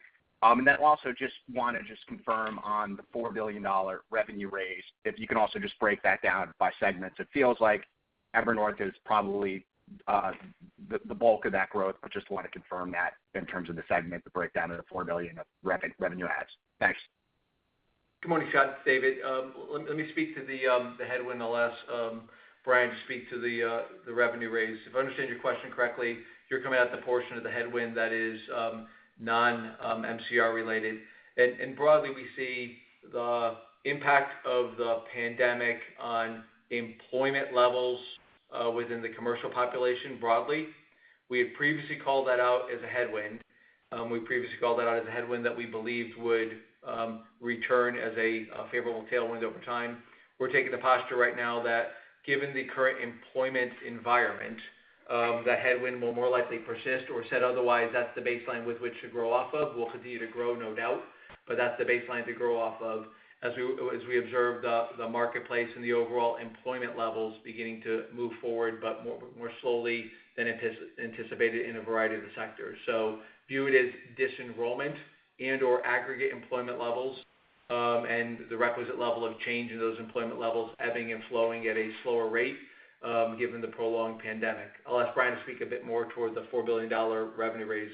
Also just want to confirm on the $4 billion revenue raise, if you can also just break that down by segments. It feels like Evernorth is probably the bulk of that growth, but just want to confirm that in terms of the segment, the breakdown of the $4 billion of revenue adds. Thanks. Good morning, Scott. It's David. Let me speak to the headwind. I'll ask Brian to speak to the revenue raise. If I understand your question correctly, you're coming at the portion of the headwind that is non-MCR related. Broadly, we see the impact of the pandemic on employment levels within the commercial population broadly. We had previously called that out as a headwind. We previously called that out as a headwind that we believed would return as a favorable tailwind over time. We're taking the posture right now that given the current employment environment, that headwind will more likely persist, or said otherwise, that's the baseline with which to grow off of. We'll continue to grow, no doubt, but that's the baseline to grow off of as we observe the marketplace and the overall employment levels beginning to move forward, but more slowly than anticipated in a variety of the sectors. View it as disenrollment and/or aggregate employment levels, and the requisite level of change in those employment levels ebbing and flowing at a slower rate, given the prolonged pandemic. I'll ask Brian to speak a bit more toward the $4 billion revenue raise.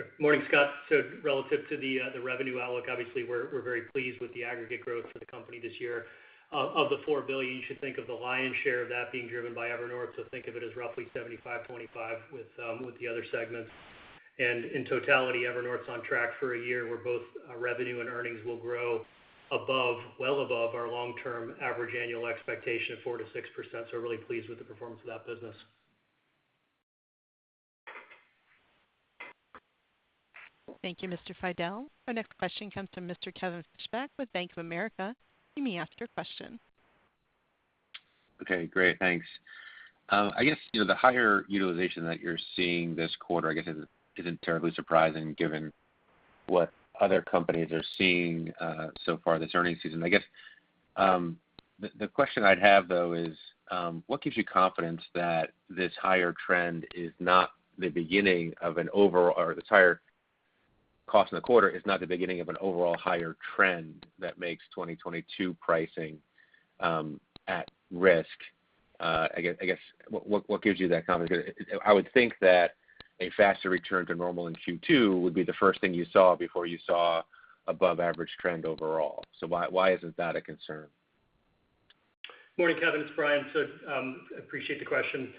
Sure. Morning, Scott. Relative to the revenue outlook, obviously we're very pleased with the aggregate growth for the company this year. Of the $4 billion, you should think of the lion's share of that being driven by Evernorth, think of it as roughly 75/25 with the other segments. In totality, Evernorth's on track for a year where both revenue and earnings will grow well above our long-term average annual expectation of 4%-6%, we're really pleased with the performance of that business. Thank you, Mr. Fidel. Our next question comes from Mr. Kevin Fischbeck with Bank of America. You may ask your question. Okay, great. Thanks. I guess the higher utilization that you're seeing this quarter, I guess isn't terribly surprising given what other companies are seeing so far this earnings season. I guess, the question I'd have though is, what gives you confidence that this higher trend is not the beginning of or this higher cost in the quarter is not the beginning of an overall higher trend that makes 2022 pricing at risk? I guess, what gives you that confidence? I would think that a faster return to normal in Q2 would be the first thing you saw before you saw above average trend overall. Why isn't that a concern? Morning, Kevin. It's Brian. Appreciate the question.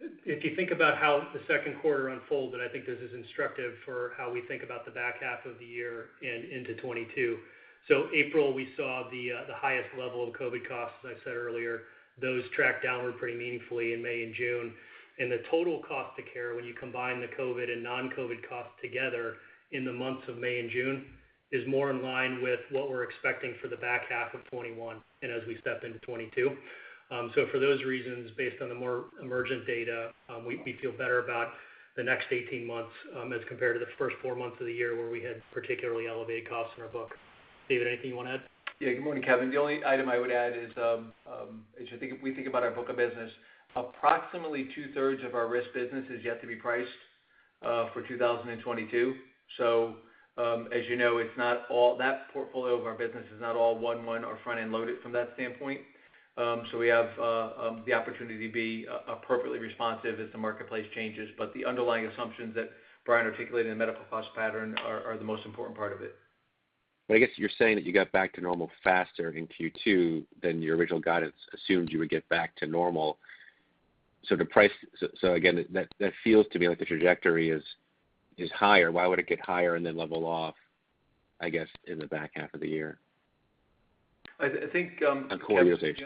If you think about how the second quarter unfolded, I think this is instructive for how we think about the back half of the year and into 2022. April, we saw the highest level of COVID costs, as I said earlier. Those tracked downward pretty meaningfully in May and June. The total cost to care, when you combine the COVID and non-COVID costs together in the months of May and June, is more in line with what we're expecting for the back half of 2021 and as we step into 2022. For those reasons, based on the more emergent data, we feel better about the next 18 months, as compared to the first four months of the year where we had particularly elevated costs in our book. David, anything you want to add? Good morning, Kevin. The only item I would add is, as we think about our book of business, approximately two-thirds of our risk business is yet to be priced for 2022. As you know, that portfolio of our business is not all one money or front-end loaded from that standpoint. We have the opportunity to be appropriately responsive as the marketplace changes. The underlying assumptions that Brian articulated in the medical cost pattern are the most important part of it. I guess you're saying that you got back to normal faster in Q2 than your original guidance assumed you would get back to normal. Again, that feels to me like the trajectory is higher. Why would it get higher and then level off, I guess, in the back half of the year? I think- On a quarterly basis.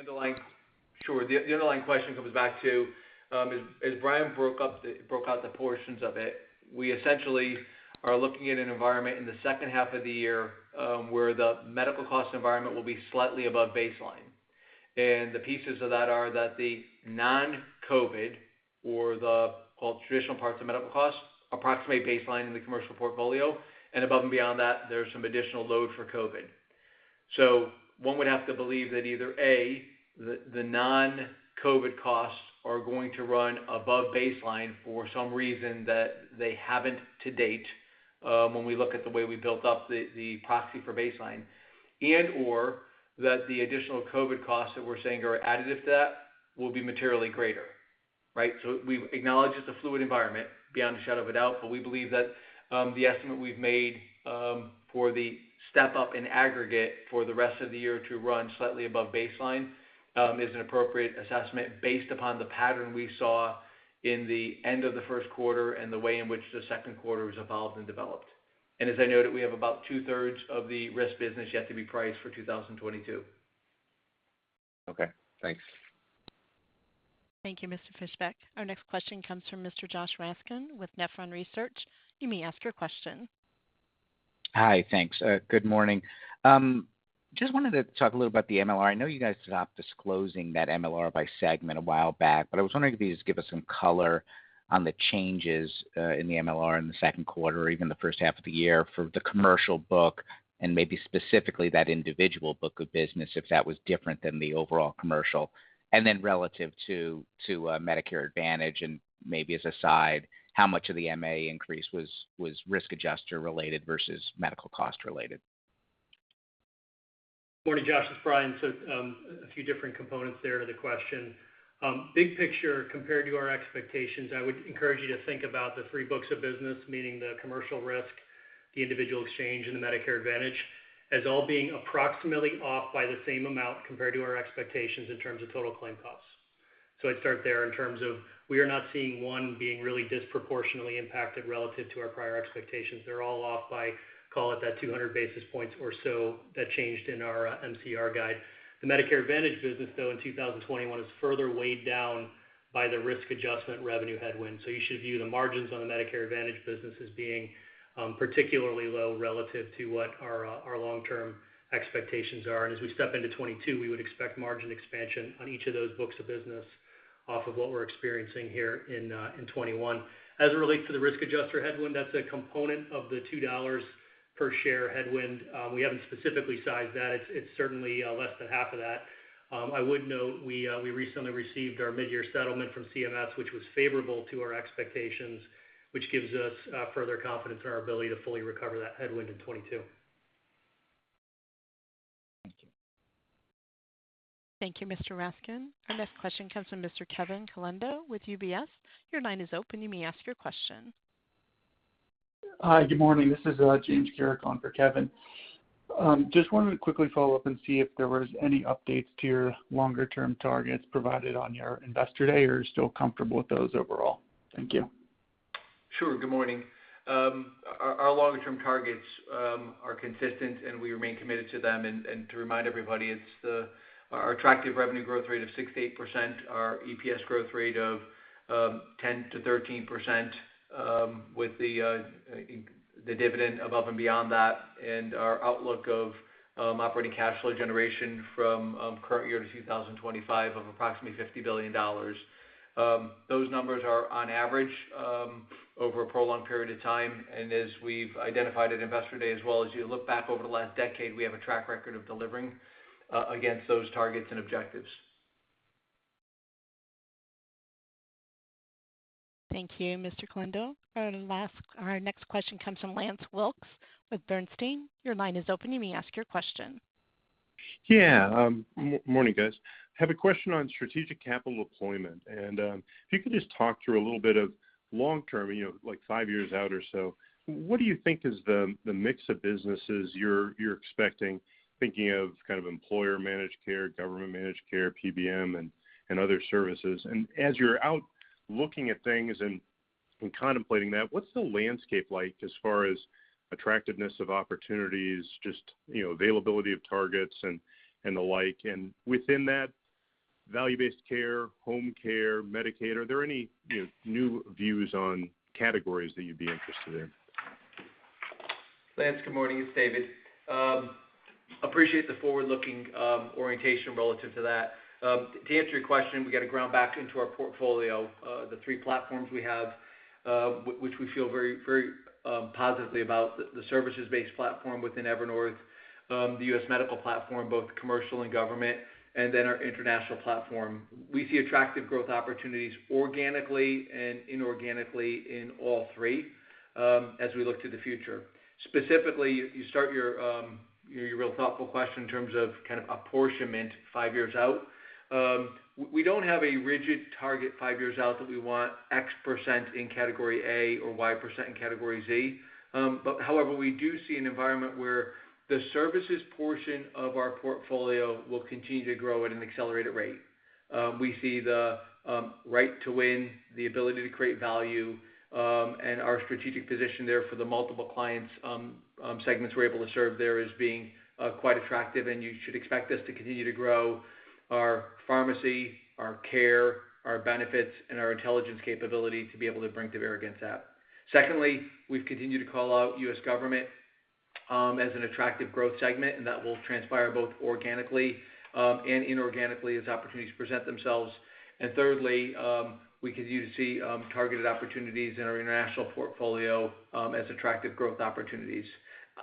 Sure. The underlying question comes back to, as Brian broke out the portions of it, we essentially are looking at an environment in the second half of the year, where the medical cost environment will be slightly above baseline. The pieces of that are that the non-COVID, or the traditional parts of medical costs, approximate baseline in the commercial portfolio. Above and beyond that, there's some additional load for COVID. One would have to believe that either, A, the non-COVID costs are going to run above baseline for some reason that they haven't to date, when we look at the way we built up the proxy for baseline, and/or that the additional COVID costs that we're saying are additive to that will be materially greater. Right? We acknowledge it's a fluid environment beyond a shadow of a doubt, but we believe that the estimate we've made for the step-up in aggregate for the rest of the year to run slightly above baseline is an appropriate assessment based upon the pattern we saw in the end of the first quarter and the way in which the second quarter has evolved and developed. As I noted, we have about two-thirds of the risk business yet to be priced for 2022. Okay, thanks. Thank you, Mr. Fischbeck. Our next question comes from Mr. Josh Raskin with Nephron Research. You may ask your question. Hi, thanks. Good morning. Just wanted to talk a little about the MLR. I know you guys stopped disclosing that MLR by segment a while back. I was wondering if you could just give us some color on the changes, in the MLR in the second quarter or even the first half of the year for the commercial book and maybe specifically that individual book of business, if that was different than the overall commercial. Relative to Medicare Advantage, and maybe as a side, how much of the MA increase was risk adjuster related versus medical cost related? Good morning, Josh. It's Brian. A few different components there to the question. Big picture compared to our expectations, I would encourage you to think about the three books of business, meaning the commercial risk, the individual exchange, and the Medicare Advantage, as all being approximately off by the same amount compared to our expectations in terms of total claim costs. I'd start there in terms of we are not seeing one being really disproportionately impacted relative to our prior expectations. They're all off by, call it that 200 basis points or so that changed in our MCR guide. The Medicare Advantage business, though, in 2021 is further weighed down by the risk adjustment revenue headwind. You should view the margins on the Medicare Advantage business as being particularly low relative to what our long-term expectations are. As we step into 2022, we would expect margin expansion on each of those books of business off of what we're experiencing here in 2021. As it relates to the risk adjuster headwind, that's a component of the $2 per share headwind. We haven't specifically sized that. It's certainly less than half of that. I would note we recently received our mid-year settlement from CMS, which was favorable to our expectations, which gives us further confidence in our ability to fully recover that headwind in 2022. Thank you. Thank you, Mr. Raskin. Our next question comes from Mr. Kevin Caliendo with UBS. Your line is open. You may ask your question. Hi. Good morning. This is [James Caracon] for Kevin. Just wanted to quickly follow up and see if there was any updates to your longer-term targets provided on your Investor Day, or are you still comfortable with those overall? Thank you. Sure. Good morning. Our longer-term targets are consistent, and we remain committed to them. To remind everybody, it's our attractive revenue growth rate of 6%-8%, our EPS growth rate of 10%-13%, with the dividend above and beyond that, and our outlook of operating cash flow generation from current year to 2025 of approximately $50 billion. Those numbers are on average, over a prolonged period of time. As we've identified at Investor Day as well, as you look back over the last decade, we have a track record of delivering against those targets and objectives. Thank you, Mr. Caliendo. Our next question comes from Lance Wilkes with Bernstein. Morning, guys. I have a question on strategic capital deployment. If you could just talk through a little bit of long-term, like five years out or so, what do you think is the mix of businesses you're expecting, thinking of kind of employer managed care, government managed care, PBM, and other services. As you're out looking at things and contemplating that, what's the landscape like as far as attractiveness of opportunities, just availability of targets, and the like? Within that value-based care, home care, Medicaid, are there any new views on categories that you'd be interested in? Lance, good morning. It's David. Appreciate the forward-looking orientation relative to that. To answer your question, we got to ground back into our portfolio. The three platforms we have, which we feel very positively about the services-based platform within Evernorth, the U.S. Medical platform, both commercial and government, and then our international platform. We see attractive growth opportunities organically and inorganically in all three as we look to the future. Specifically, you start your real thoughtful question in terms of apportionment five years out. We don't have a rigid target five years out that we want X% in category A or Y% in category Z. However, we do see an environment where the services portion of our portfolio will continue to grow at an accelerated rate. We see the right to win, the ability to create value, and our strategic position there for the multiple clients segments we're able to serve there as being quite attractive. You should expect us to continue to grow our pharmacy, our care, our benefits, and our intelligence capability to be able to bring to bear against that. Secondly, we've continued to call out U.S. government as an attractive growth segment. That will transpire both organically and inorganically as opportunities present themselves. Thirdly, we continue to see targeted opportunities in our international portfolio as attractive growth opportunities.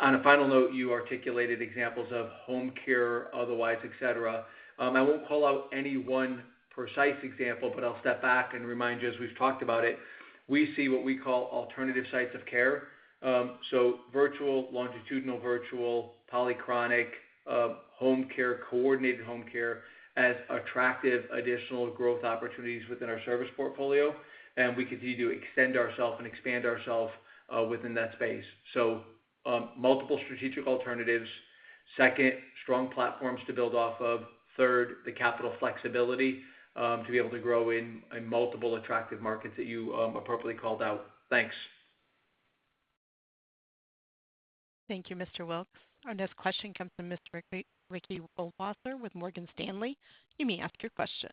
On a final note, you articulated examples of home care, otherwise, et cetera. I won't call out any one precise example, but I'll step back and remind you, as we've talked about it, we see what we call alternative sites of care. Virtual, longitudinal virtual, polychronic, home care, coordinated home care as attractive additional growth opportunities within our service portfolio, and we continue to extend ourself and expand ourself within that space. Multiple strategic alternatives. Second, strong platforms to build off of. Third, the capital flexibility to be able to grow in multiple attractive markets that you appropriately called out. Thanks. Thank you, Mr. Wilkes. Our next question comes from Ms. Ricky Goldwasser with Morgan Stanley. You may ask your question.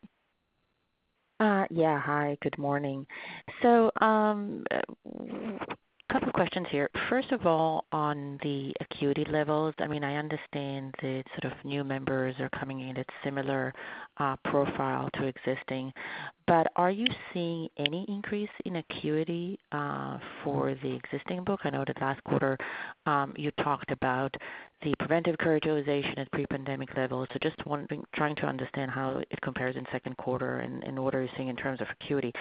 Yeah. Hi, good morning. Couple questions here. First of all, on the acuity levels, I understand the sort of new members are coming in at similar profile to existing. Are you seeing any increase in acuity for the existing book? I know that last quarter, you talked about the preventive care utilization at pre-pandemic levels. Just wondering, trying to understand how it compares in second quarter and what are you seeing in terms of acuity.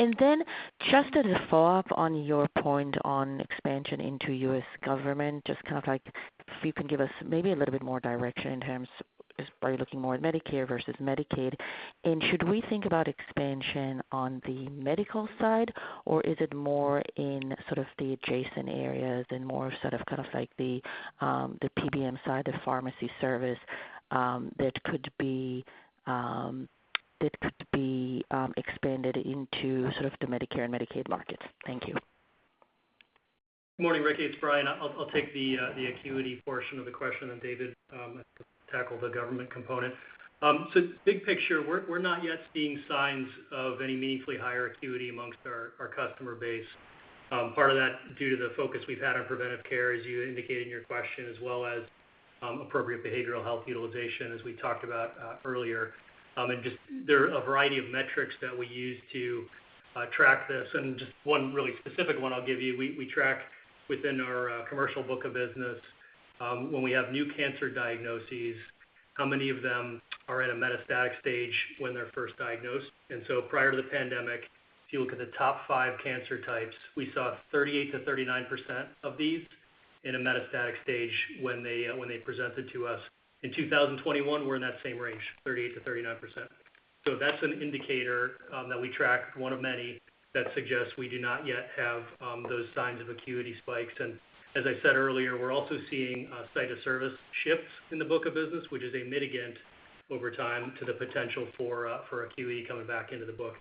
Just as a follow-up on your point on expansion into U.S. government, just kind of like if you can give us maybe a little bit more direction in terms, are you looking more at Medicare versus Medicaid? Should we think about expansion on the medical side, or is it more in sort of the adjacent areas and more sort of, kind of like the PBM side, the pharmacy service, that could be expanded into sort of the Medicare and Medicaid markets? Thank you. Morning, Ricky. It's Brian. I'll take the acuity portion of the question, and David can tackle the government component. Big picture, we're not yet seeing signs of any meaningfully higher acuity amongst our customer base. Part of that due to the focus we've had on preventive care, as you indicated in your question, as well as appropriate behavioral health utilization, as we talked about earlier. Just there are a variety of metrics that we use to track this, and just one really specific one I'll give you. We track within our commercial book of business, when we have new cancer diagnoses, how many of them are at a metastatic stage when they're first diagnosed. Prior to the pandemic, if you look at the top five cancer types, we saw 38%-39% of these in a metastatic stage when they presented to us. In 2021, we're in that same range, 38%-39%. That's an indicator that we track, one of many, that suggests we do not yet have those signs of acuity spikes. As I said earlier, we're also seeing site of service shifts in the book of business, which is a mitigant over time to the potential for acuity coming back into the book.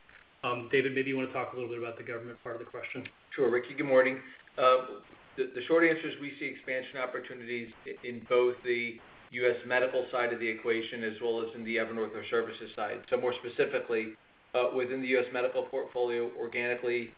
David, maybe you want to talk a little bit about the government part of the question. Sure, Ricky. Good morning. The short answer is we see expansion opportunities in both the U.S. Medical side of the equation as well as in the Evernorth or services side. More specifically, within the U.S. Medical portfolio organically,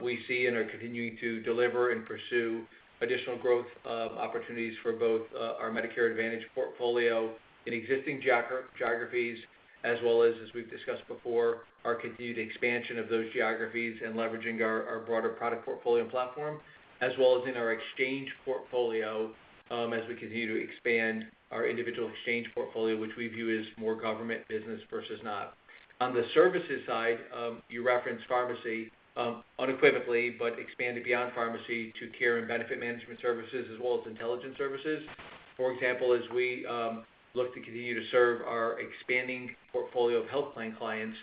we see and are continuing to deliver and pursue additional growth opportunities for both our Medicare Advantage portfolio in existing geographies as well as we've discussed before, our continued expansion of those geographies and leveraging our broader product portfolio platform. As well as in our exchange portfolio, as we continue to expand our individual exchange portfolio, which we view as more government business versus not. On the services side, you referenced pharmacy unequivocally, but expanded beyond pharmacy to care and benefit management services as well as intelligence services. For example, as we look to continue to serve our expanding portfolio of health plan clients,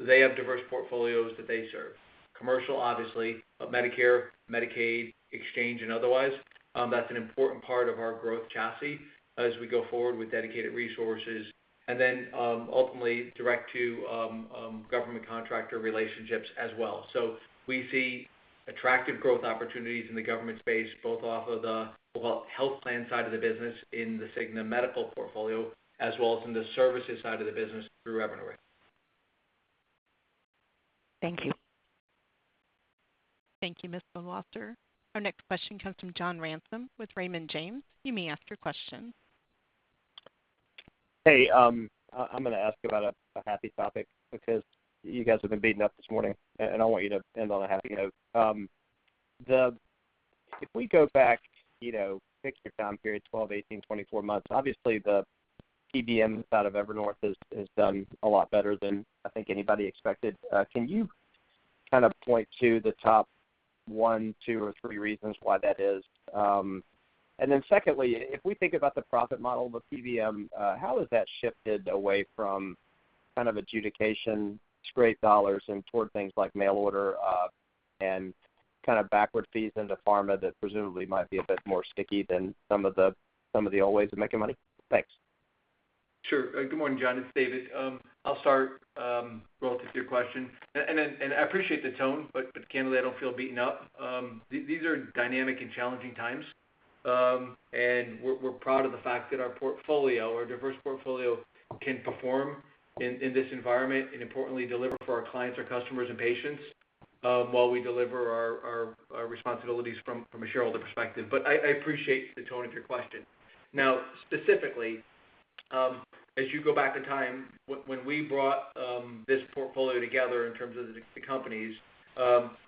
they have diverse portfolios that they serve. Commercial, obviously, Medicare, Medicaid, exchange, and otherwise. That's an important part of our growth chassis as we go forward with dedicated resources. Ultimately direct to government contractor relationships as well. We see attractive growth opportunities in the government space, both off of the health plan side of the business in the Cigna Medical portfolio, as well as in the services side of the business through Evernorth. Thank you. Thank you, Ms. Goldwasser. Our next question comes from John Ransom with Raymond James. You may ask your question. Hey, I'm going to ask about a happy topic because you guys have been beaten up this morning, and I don't want you to end on a happy note. If we go back, fix your time period, 12, 18, 24 months, obviously the PBM side of Evernorth has done a lot better than I think anybody expected. Can you point to the top one, two or three reasons why that is? Secondly, if we think about the profit model of the PBM, how has that shifted away from adjudication straight dollars and toward things like mail order, and backward fees into pharma that presumably might be a bit more sticky than some of the old ways of making money? Thanks. Sure. Good morning, John, it's David. I'll start, relative to your question. I appreciate the tone, but candidly, I don't feel beaten up. These are dynamic and challenging times. We're proud of the fact that our diverse portfolio can perform in this environment and importantly deliver for our clients, our customers, and patients, while we deliver our responsibilities from a shareholder perspective. I appreciate the tone of your question. Now, specifically, as you go back in time, when we brought this portfolio together in terms of the companies,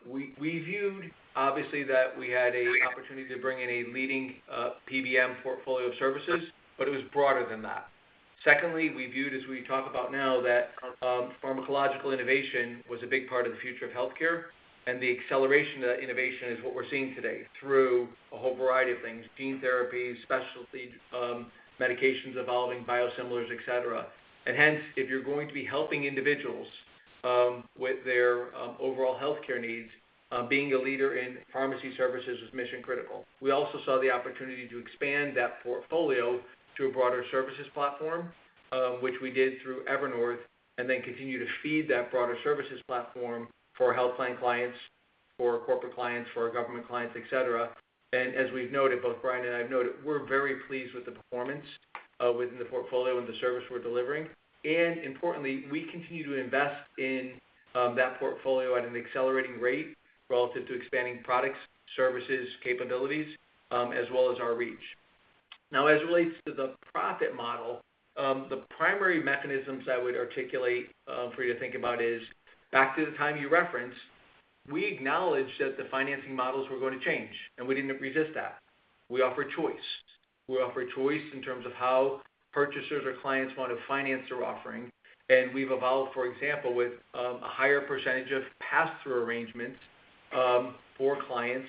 we viewed obviously that we had a opportunity to bring in a leading PBM portfolio of services, but it was broader than that. Secondly, we viewed, as we talk about now, that pharmacological innovation was a big part of the future of healthcare. The acceleration of that innovation is what we're seeing today through a whole variety of things, gene therapies, specialty medications evolving, biosimilars, et cetera. Hence, if you're going to be helping individuals, with their overall healthcare needs, being a leader in pharmacy services was mission critical. We also saw the opportunity to expand that portfolio to a broader services platform, which we did through Evernorth. Then continue to feed that broader services platform for our health plan clients, for our corporate clients, for our government clients, et cetera. As we've noted, both Brian and I have noted, we're very pleased with the performance, within the portfolio and the service we're delivering. Importantly, we continue to invest in that portfolio at an accelerating rate relative to expanding products, services, capabilities, as well as our reach. As it relates to the profit model, the primary mechanisms I would articulate for you to think about is back to the time you referenced, we acknowledged that the financing models were going to change, and we didn't resist that. We offer choice. We offer choice in terms of how purchasers or clients want to finance their offering. We've evolved, for example, with a higher percentage of pass-through arrangements for clients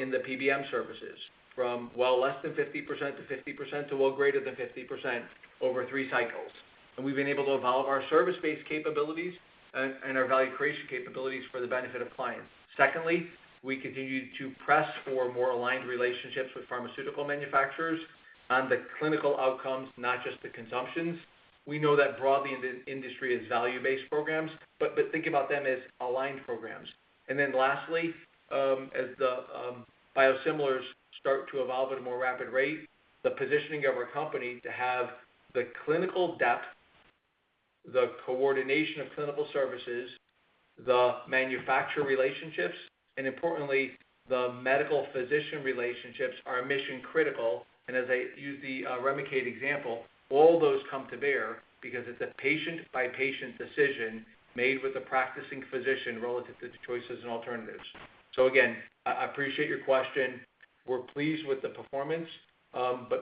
in the PBM services from well less than 50% to 50% to well greater than 50% over three cycles. We've been able to evolve our service-based capabilities and our value creation capabilities for the benefit of clients. Secondly, we continue to press for more aligned relationships with pharmaceutical manufacturers on the clinical outcomes, not just the consumptions. We know that broadly in the industry as value-based programs, but think about them as aligned programs. Lastly, as the biosimilars start to evolve at a more rapid rate, the positioning of our company to have the clinical depth, the coordination of clinical services, the manufacturer relationships, and importantly, the medical physician relationships are mission critical. As I use the REMICADE example, all those come to bear because it's a patient-by-patient decision made with a practicing physician relative to choices and alternatives. Again, I appreciate your question. We're pleased with the performance.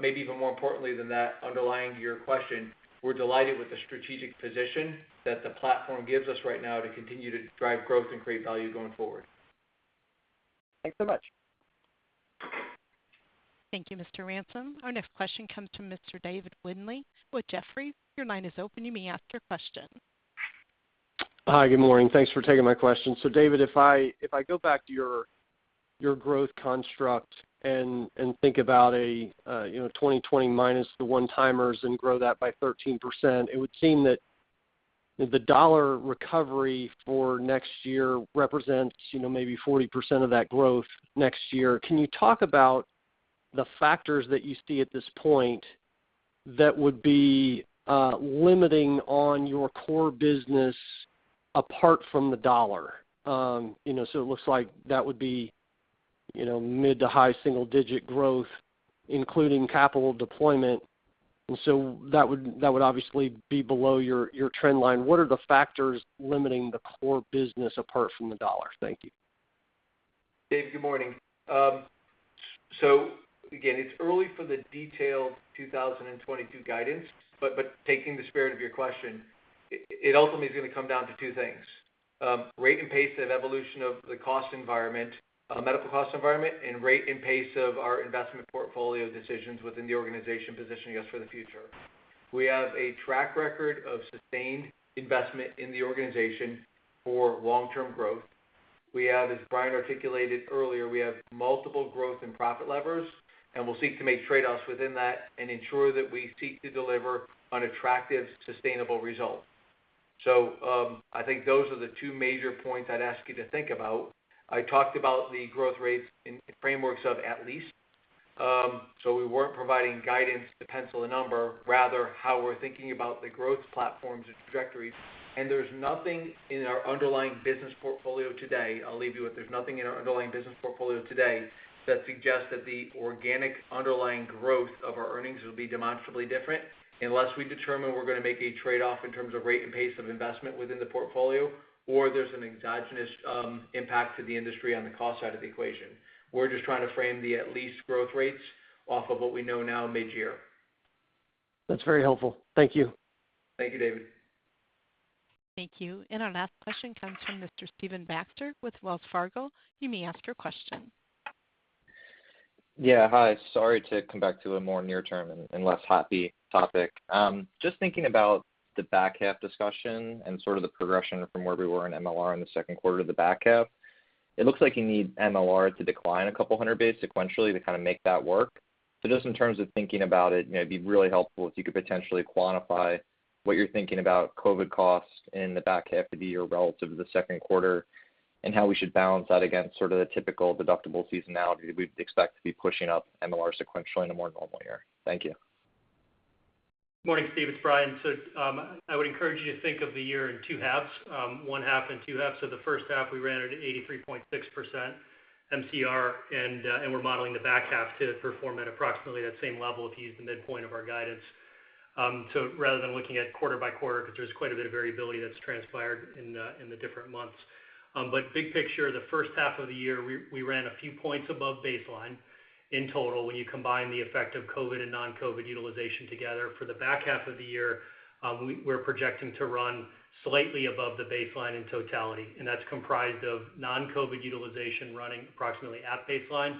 Maybe even more importantly than that, underlying your question, we're delighted with the strategic position that the platform gives us right now to continue to drive growth and create value going forward. Thanks so much. Thank you, Mr. Ransom. Our next question comes from Mr. David Windley with Jefferies. Your line is open. You may ask your question. Hi, good morning. Thanks for taking my question. David, if I go back to your growth construct and think about 2020 minus the one-timers and grow that by 13%, it would seem that the dollar recovery for next year represents maybe 40% of that growth next year. Can you talk about the factors that you see at this point that would be limiting on your core business apart from the dollar? It looks like that would be mid to high single-digit growth, including capital deployment. That would obviously be below your trend line. What are the factors limiting the core business apart from the dollar? Thank you. David, good morning. Again, it's early for the detailed 2022 guidance, but taking the spirit of your question, it ultimately is going to come down to two things. Rate and pace of evolution of the cost environment, medical cost environment, and rate and pace of our investment portfolio decisions within the organization positioning us for the future. We have a track record of sustained investment in the organization for long-term growth. As Brian articulated earlier, we have multiple growth and profit levers, and we'll seek to make trade-offs within that and ensure that we seek to deliver on attractive, sustainable results. I think those are the two major points I'd ask you to think about. I talked about the growth rates in frameworks of at least. We weren't providing guidance to pencil a number, rather how we're thinking about the growth platforms and trajectories. There's nothing in our underlying business portfolio today that suggests that the organic underlying growth of our earnings will be demonstrably different unless we determine we're going to make a trade-off in terms of rate and pace of investment within the portfolio, or there's an exogenous impact to the industry on the cost side of the equation. We're just trying to frame the at least growth rates off of what we know now mid-year. That's very helpful. Thank you. Thank you, David. Thank you. Our last question comes from Mr. Stephen Baxter with Wells Fargo. You may ask your question. Yeah. Hi. Sorry to come back to a more near term and less happy topic. Just thinking about the back half discussion and sort of the progression from where we were in MLR in the second quarter to the back half. It looks like you need MLR to decline 200 base sequentially to kind of make that work. Just in terms of thinking about it'd be really helpful if you could potentially quantify what you're thinking about COVID costs in the back half of the year relative to the second quarter, and how we should balance that against sort of the typical deductible seasonality that we'd expect to be pushing up MLR sequentially in a more normal year. Thank you. Morning, Steve, it's Brian. I would encourage you to think of the year in two halves. The first half we ran at 83.6% MCR, and we're modeling the back half to perform at approximately that same level if you use the midpoint of our guidance. Rather than looking at quarter by quarter, because there's quite a bit of variability that's transpired in the different months. Big picture, the first half of the year, we ran a few points above baseline in total when you combine the effect of COVID and non-COVID utilization together. For the back half of the year, we're projecting to run slightly above the baseline in totality, and that's comprised of non-COVID utilization running approximately at baseline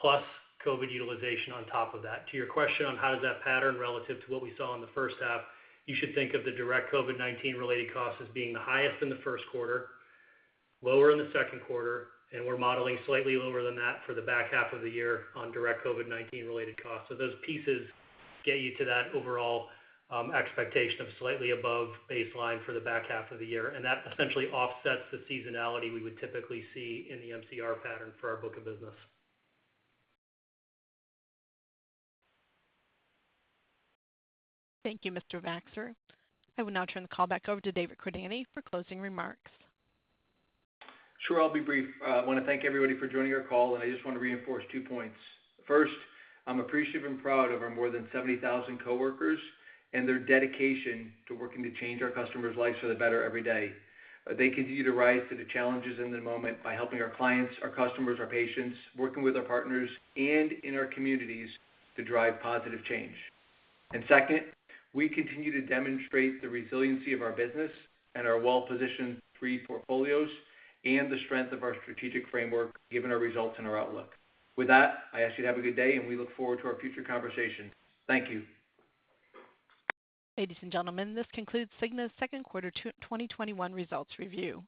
plus COVID utilization on top of that. To your question on how does that pattern relative to what we saw in the first half, you should think of the direct COVID-19 related cost as being the highest in the first quarter, lower in the second quarter, and we're modeling slightly lower than that for the back half of the year on direct COVID-19 related costs. Those pieces get you to that overall expectation of slightly above baseline for the back half of the year, and that essentially offsets the seasonality we would typically see in the MCR pattern for our book of business. Thank you, Mr. Baxter. I will now turn the call back over to David Cordani for closing remarks. Sure. I'll be brief. I want to thank everybody for joining our call. I just want to reinforce two points. First, I'm appreciative and proud of our more than 70,000 coworkers and their dedication to working to change our customers' lives for the better every day. They continue to rise to the challenges in the moment by helping our clients, our customers, our patients, working with our partners and in our communities to drive positive change. Second, we continue to demonstrate the resiliency of our business and our well-positioned three portfolios and the strength of our strategic framework given our results and our outlook. With that, I ask you to have a good day and we look forward to our future conversation. Thank you. Ladies and gentlemen, this concludes Cigna's Second Quarter 2021 Results Review.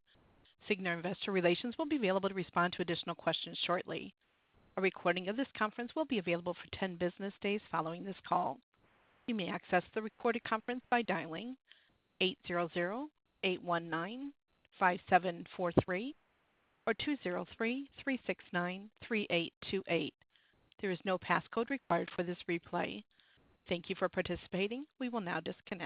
Cigna Investor Relations will be available to respond to additional questions shortly. A recording of this conference will be available for 10 business days following this call. You may access the recorded conference by dialing 800-819-5743 or 203-369-3828. There is no passcode required for this replay. Thank you for participating. We will now disconnect.